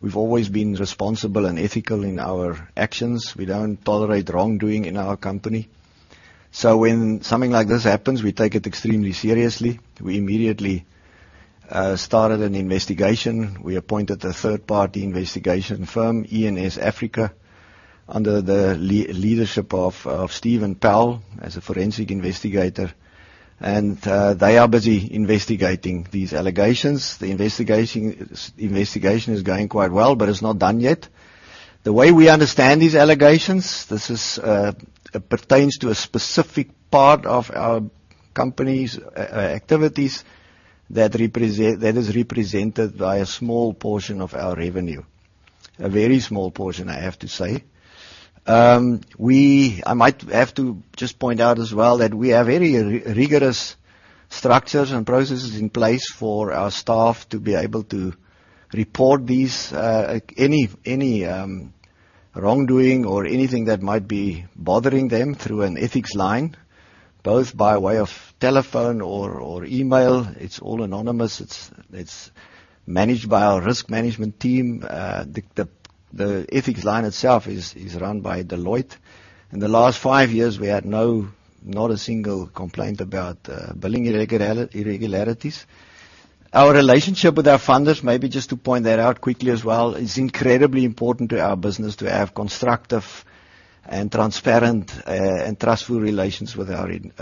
we've always been responsible and ethical in our actions. We don't tolerate wrongdoing in our company. So when something like this happens, we take it extremely seriously. We immediately started an investigation. We appointed a third-party investigation firm, ENSafrica, under the leadership of Steven Powell as a forensic investigator, and they are busy investigating these allegations. The investigation is going quite well, but it's not done yet. The way we understand these allegations, this pertains to a specific part of our company's activities that is represented by a small portion of our revenue. A very small portion, I have to say. We-- I might have to just point out as well that we have very rigorous structures and processes in place for our staff to be able to report these, any, any wrongdoing or anything that might be bothering them through an ethics line, both by way of telephone or email. It's all anonymous. It's managed by our risk management team. The ethics line itself is run by Deloitte. In the last five years, we had no, not a single complaint about billing irregularities. Our relationship with our funders, maybe just to point that out quickly as well, is incredibly important to our business to have constructive and transparent, and trustworthy relations with our, in,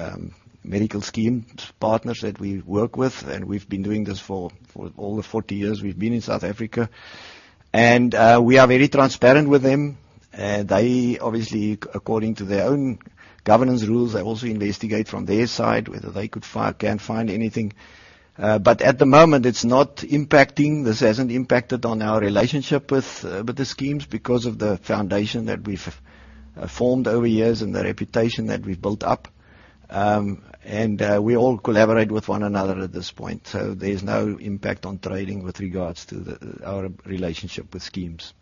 medical scheme partners that we work with, and we've been doing this for all the 40 years we've been in South Africa. We are very transparent with them, and they, obviously, according to their own governance rules, they also investigate from their side whether they can find anything. At the moment, it's not impacting, this hasn't impacted on our relationship with the schemes because of the foundation that we've formed over years and the reputation that we've built up. We all collaborate with one another at this point, so there's no impact on trading with regards to our relationship with schemes.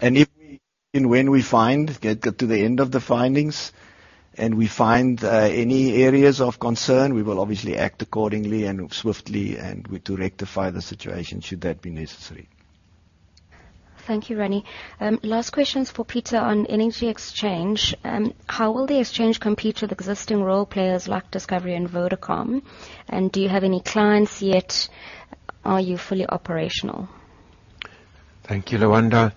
If and when we get to the end of the findings, and we find any areas of concern, we will obviously act accordingly and swiftly to rectify the situation, should that be necessary. ... Thank you, Ronnie. Last questions for Pieter on Energy Exchange. How will the exchange compete with existing role players like Discovery and Vodacom? And do you have any clients yet? Are you fully operational? Thank you, Lwanda.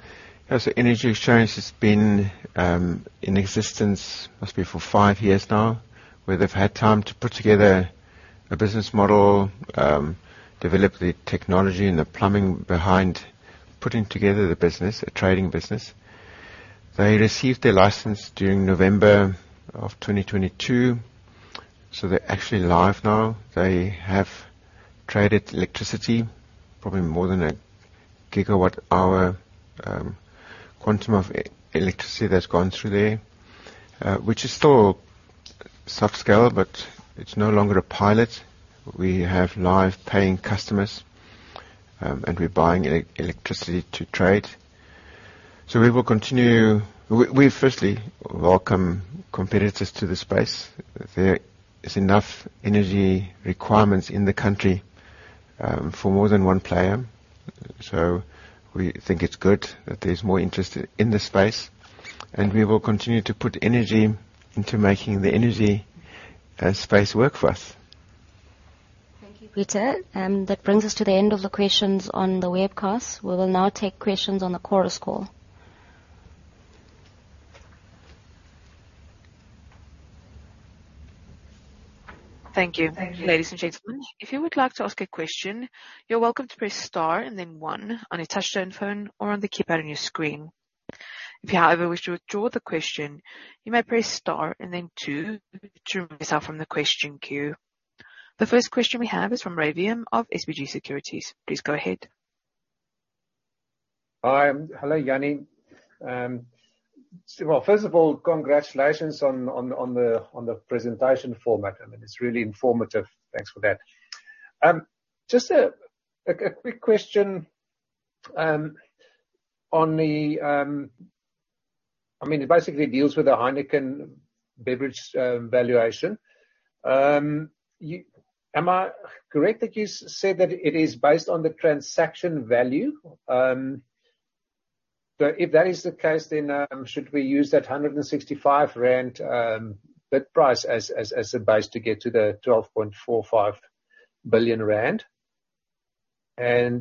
As the Energy Exchange has been in existence, must be for five years now, where they've had time to put together a business model, develop the technology and the plumbing behind putting together the business, a trading business. They received their license during November 2022, so they're actually live now. They have traded electricity, probably more than 1 GWh quantum of electricity that's gone through there. Which is still small scale, but it's no longer a pilot. We have live paying customers, and we're buying electricity to trade. So we will continue. We firstly welcome competitors to the space. There is enough energy requirements in the country, for more than one player, so we think it's good that there's more interest in the space, and we will continue to put energy into making the energy, space work for us. Thank you, Pieter. That brings us to the end of the questions on the webcast. We will now take questions on the Chorus Call. Thank you. Ladies and gentlemen, if you would like to ask a question, you're welcome to press star and then one on a touchtone phone or on the keypad on your screen. If you, however, wish to withdraw the question, you may press star and then two to remove yourself from the question queue. The first question we have is from Rey Wium of SBG Securities. Please go ahead. Hi. Hello, Jannie. Well, first of all, congratulations on the presentation format. I mean, it's really informative. Thanks for that. Just a quick question on the—I mean, it basically deals with the Heineken Beverages valuation. You—am I correct that you said that it is based on the transaction value? If that is the case, then should we use that 165 rand bid price as a base to get to the 12.45 billion rand?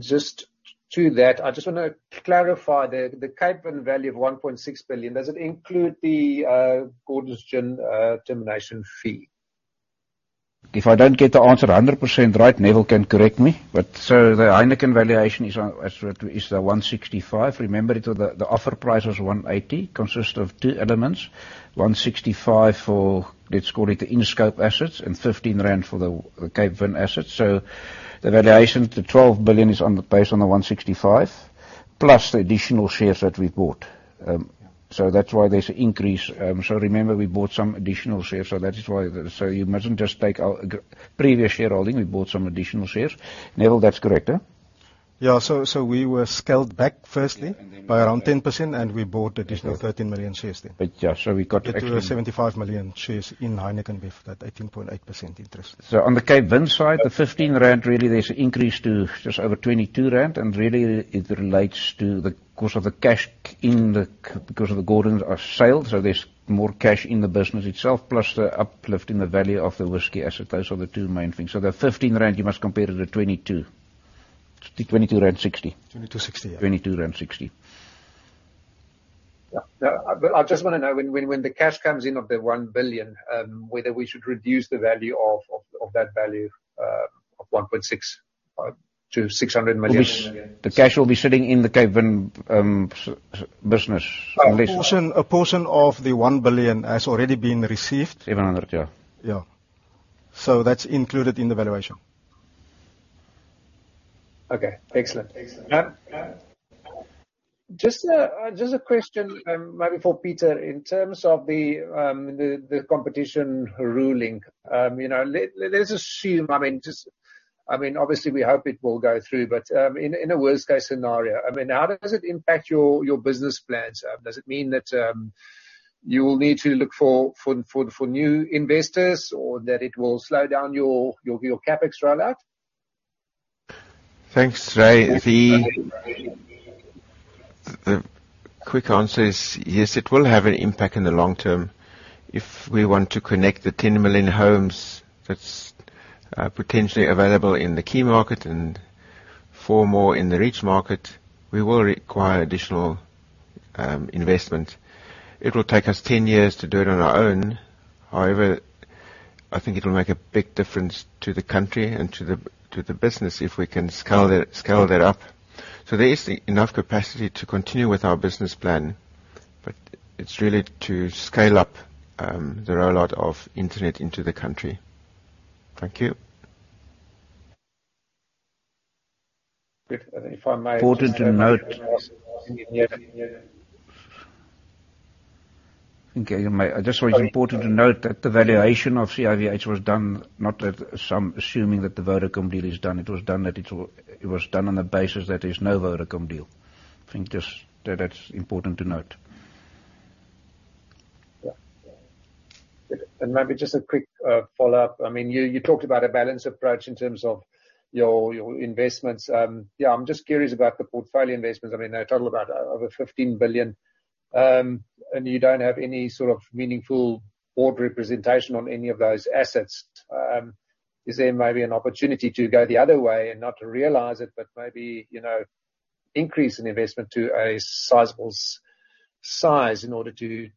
Just to that, I just want to clarify the Capevin value of 1.6 billion, does it include the Gordon's Gin termination fee? If I don't get the answer 100% right, Neville can correct me, but the Heineken valuation is what, is the 165. Remember, the offer price was 180, consists of two elements: 165 for, let's call it the in-scope assets, and 15 rand for the Cape Wine assets. The valuation to 12 billion is on the base of the 165, plus the additional shares that we've bought. That's why there's an increase. Remember, we bought some additional shares, so that is why the—so you mustn't just take our previous shareholding. We bought some additional shares. Neville, that's correct, huh? Yeah, so we were scaled back firstly by around 10%, and we bought additional 13 million shares then. But yeah, so we got- Up to 75 million shares in Heineken Bev, that 18.8% interest. On the Capevin side, the 15 rand, really, there's an increase to just over 22 rand, and really, it relates to the cost of the cash in the c- because the Gordon's are sold, so there's more cash in the business itself, plus the uplift in the value of the whiskey asset. Those are the two main things. The 15 rand, you must compare to the 22. 22.60 rand. Twenty-two sixty. 22.60. Yeah. Now, I just wanna know when the cash comes in of the 1 billion, whether we should reduce the value of that value of 1.6 billion to 600 million. The cash will be sitting in the Capevin business. A portion, a portion of the 1 billion has already been received. 700, yeah. Yeah. So that's included in the valuation. Okay, excellent. Just a question, maybe for Pieter. In terms of the competition ruling, you know, let's assume, I mean, just... I mean, obviously we hope it will go through, but, in a worst case scenario, I mean, how does it impact your business plans? Does it mean that you will need to look for new investors, or that it will slow down your CapEx rollout? Thanks, Ray. The quick answer is: yes, it will have an impact in the long term. If we want to connect the 10 million homes that's potentially available in the key market and 4 million more in the reach market, we will require additional investment. It will take us 10 years to do it on our own. However, I think it will make a big difference to the country and to the business if we can scale it, scale that up. There is enough capacity to continue with our business plan, but it's really to scale up the rollout of internet into the country. Thank you. Good. And if I may- Important to note. Okay, you may. I just thought it's important to note that the valuation of CIVH was done, not that some assuming that the Vodacom deal is done. It was done, that it—it was done on the basis that there's no Vodacom deal. I think just that, that's important to note.... Maybe just a quick follow-up. I mean, you talked about a balanced approach in terms of your investments. Yeah, I'm just curious about the portfolio investments. I mean, they total about over 15 billion, and you don't have any sort of meaningful board representation on any of those assets. Is there maybe an opportunity to go the other way and not to realize it, but maybe, you know, increase in investment to a sizable size in order to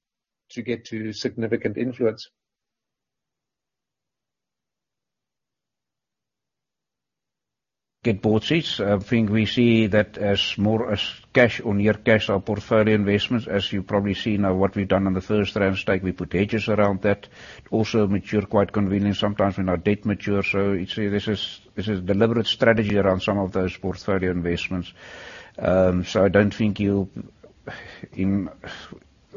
get to significant influence? Get board seats. I think we see that as more as cash or near cash, our portfolio investments, as you've probably seen now, what we've done on the first round stake, we put hedges around that. Also, mature quite conveniently, sometimes when our debt matures. So it's, this is, this is deliberate strategy around some of those portfolio investments. So I don't think you,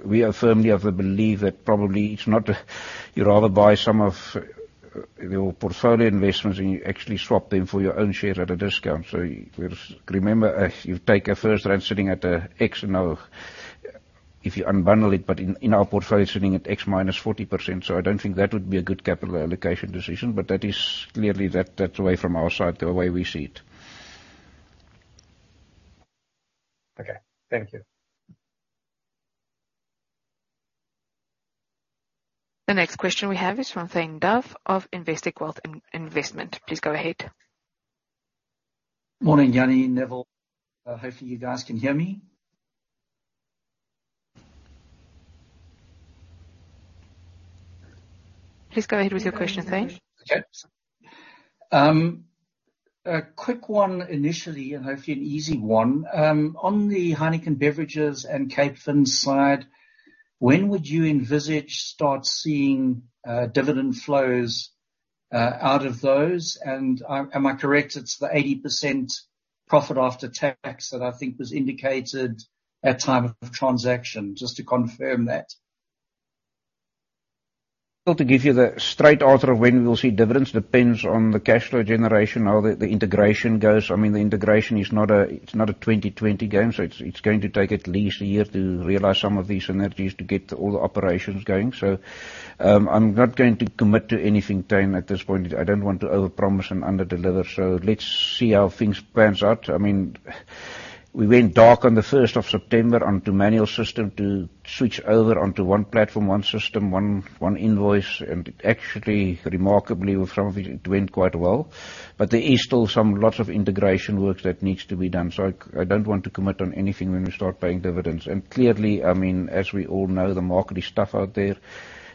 we are firmly of the belief that probably it's not, you rather buy some of your portfolio investments, and you actually swap them for your own share at a discount. So you remember you take a first round sitting at X, and now if you unbundle it, but in our portfolio, sitting at X minus 40%, so I don't think that would be a good capital allocation decision, but that is clearly that, that's the way from our side, the way we see it. Okay, thank you. The next question we have is from Michael Clough of Investec Wealth and Investment. Please go ahead. Morning, Jannie, Neville. Hopefully you guys can hear me. Please go ahead with your question, Michael. Okay. A quick one initially, and hopefully an easy one. On the Heineken Beverages and Capevin side, when would you envisage start seeing dividend flows out of those? And, am I correct, it's the 80% profit after tax that I think was indicated at time of transaction, just to confirm that? ... Well, to give you the straight answer of when we will see dividends, depends on the cash flow generation, how the integration goes. I mean, the integration is not a 20/20 game, so it's going to take at least a year to realize some of these synergies to get all the operations going. So, I'm not going to commit to anything time at this point. I don't want to overpromise and underdeliver, so let's see how things pans out. I mean, we went dark on the first of September onto manual system to switch over onto one platform, one system, one invoice, and actually, remarkably, some of it went quite well. But there is still some lots of integration work that needs to be done, so I don't want to commit on anything when we start paying dividends. Clearly, I mean, as we all know, the market is tough out there.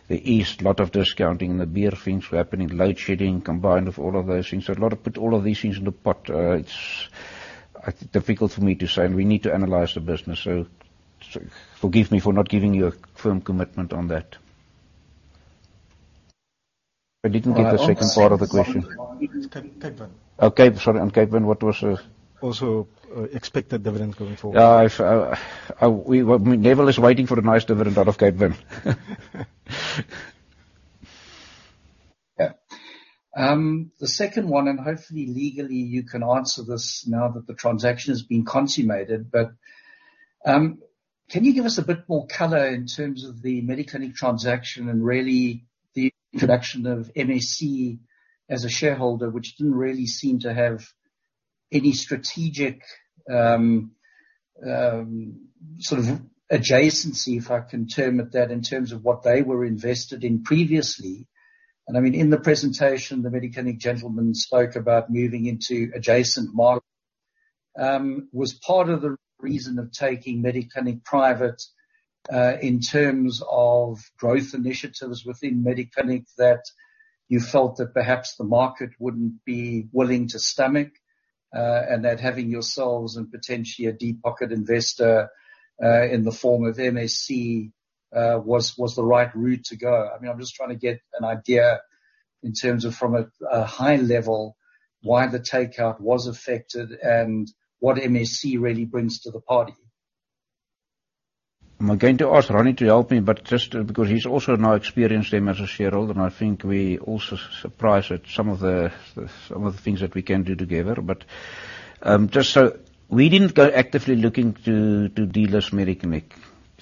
There is a lot of discounting in the beer things happening, load shedding, combined with all of those things. So a lot of... Put all of these things in the pot, it's difficult for me to say, and we need to analyze the business. So forgive me for not giving you a firm commitment on that. I didn't get the second part of the question. Capevin. Okay, sorry, on Capevin, what was, Also, expected dividends going forward. Yeah, I've... We, Neville is waiting for a nice dividend out of Capevin. Yeah. The second one, and hopefully legally you can answer this now that the transaction has been consummated. But, can you give us a bit more color in terms of the Mediclinic transaction and really the introduction of MSC as a shareholder, which didn't really seem to have any strategic, sort of adjacency, if I can term it, that in terms of what they were invested in previously. And I mean, in the presentation, the Mediclinic gentleman spoke about moving into adjacent model. Was part of the reason of taking Mediclinic private, in terms of growth initiatives within Mediclinic, that you felt that perhaps the market wouldn't be willing to stomach, and that having yourselves and potentially a deep-pocket investor, in the form of MSC, was the right route to go? I mean, I'm just trying to get an idea in terms of, from a, a high level, why the takeout was affected and what MSC really brings to the party. I'm going to ask Ronnie to help me, but just because he's also now experienced them as a shareholder, and I think we also surprised at some of the things that we can do together. But just so we didn't go actively looking to deal with Mediclinic.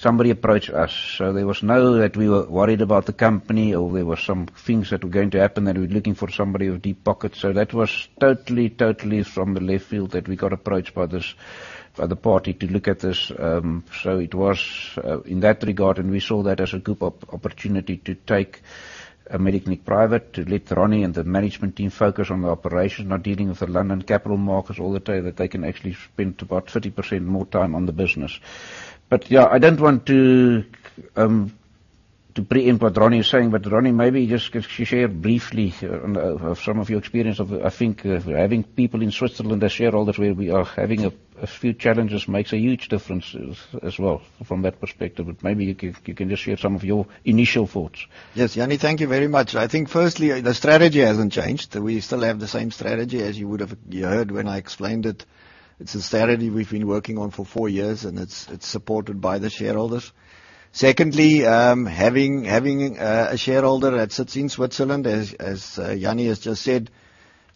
Somebody approached us, so there was no that we were worried about the company, or there were some things that were going to happen, that we were looking for somebody with deep pockets. So that was totally, totally from the left field, that we got approached by this, by the party to look at this. It was, in that regard, and we saw that as a good opportunity to take Mediclinic private, to let Ronnie and the management team focus on the operation, not dealing with the London capital markets all the time, that they can actually spend about 30% more time on the business. Yeah, I don't want to pre-empt what Ronnie is saying. Ronnie, maybe just share briefly on some of your experience of... I think, having people in Switzerland as shareholders, where we are having a few challenges, makes a huge difference as well from that perspective. Maybe you can just share some of your initial thoughts. Yes, Jannie, thank you very much. I think firstly, the strategy hasn't changed. We still have the same strategy as you would have heard when I explained it. It's a strategy we've been working on for four years, and it's supported by the shareholders. Secondly, having a shareholder that sits in Switzerland, as Jannie has just said,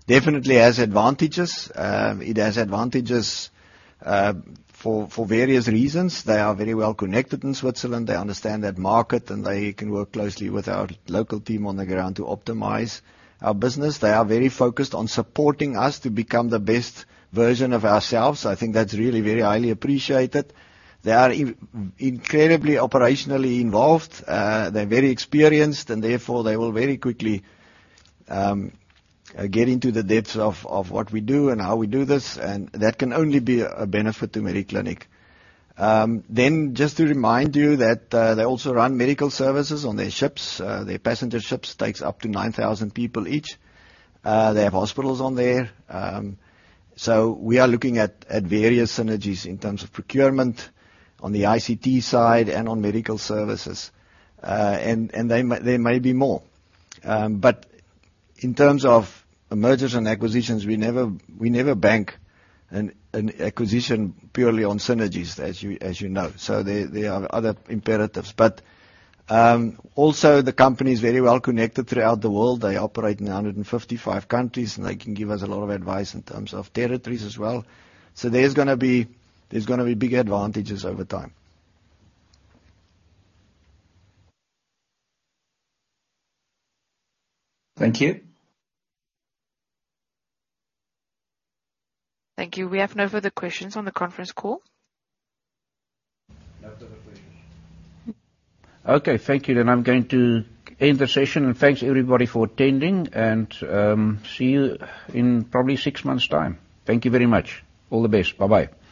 definitely has advantages. It has advantages for various reasons. They are very well connected in Switzerland. They understand that market, and they can work closely with our local team on the ground to optimize our business. They are very focused on supporting us to become the best version of ourselves. I think that's really very highly appreciated. They are incredibly operationally involved. They're very experienced, and therefore, they will very quickly get into the depths of what we do and how we do this, and that can only be a benefit to Mediclinic. Then just to remind you that they also run medical services on their ships. Their passenger ships takes up to 9,000 people each. They have hospitals on there. So we are looking at various synergies in terms of procurement, on the ICT side, and on medical services. And there may be more. But in terms of mergers and acquisitions, we never bank an acquisition purely on synergies, as you know. So there are other imperatives. But also, the company is very well connected throughout the world. They operate in 155 countries, and they can give us a lot of advice in terms of territories as well. So there's gonna be, there's gonna be big advantages over time. Thank you. Thank you. We have no further questions on the conference call. No further questions. Okay, thank you. Then I'm going to end the session, and thanks, everybody, for attending, and see you in probably six months' time. Thank you very much. All the best. Bye-bye.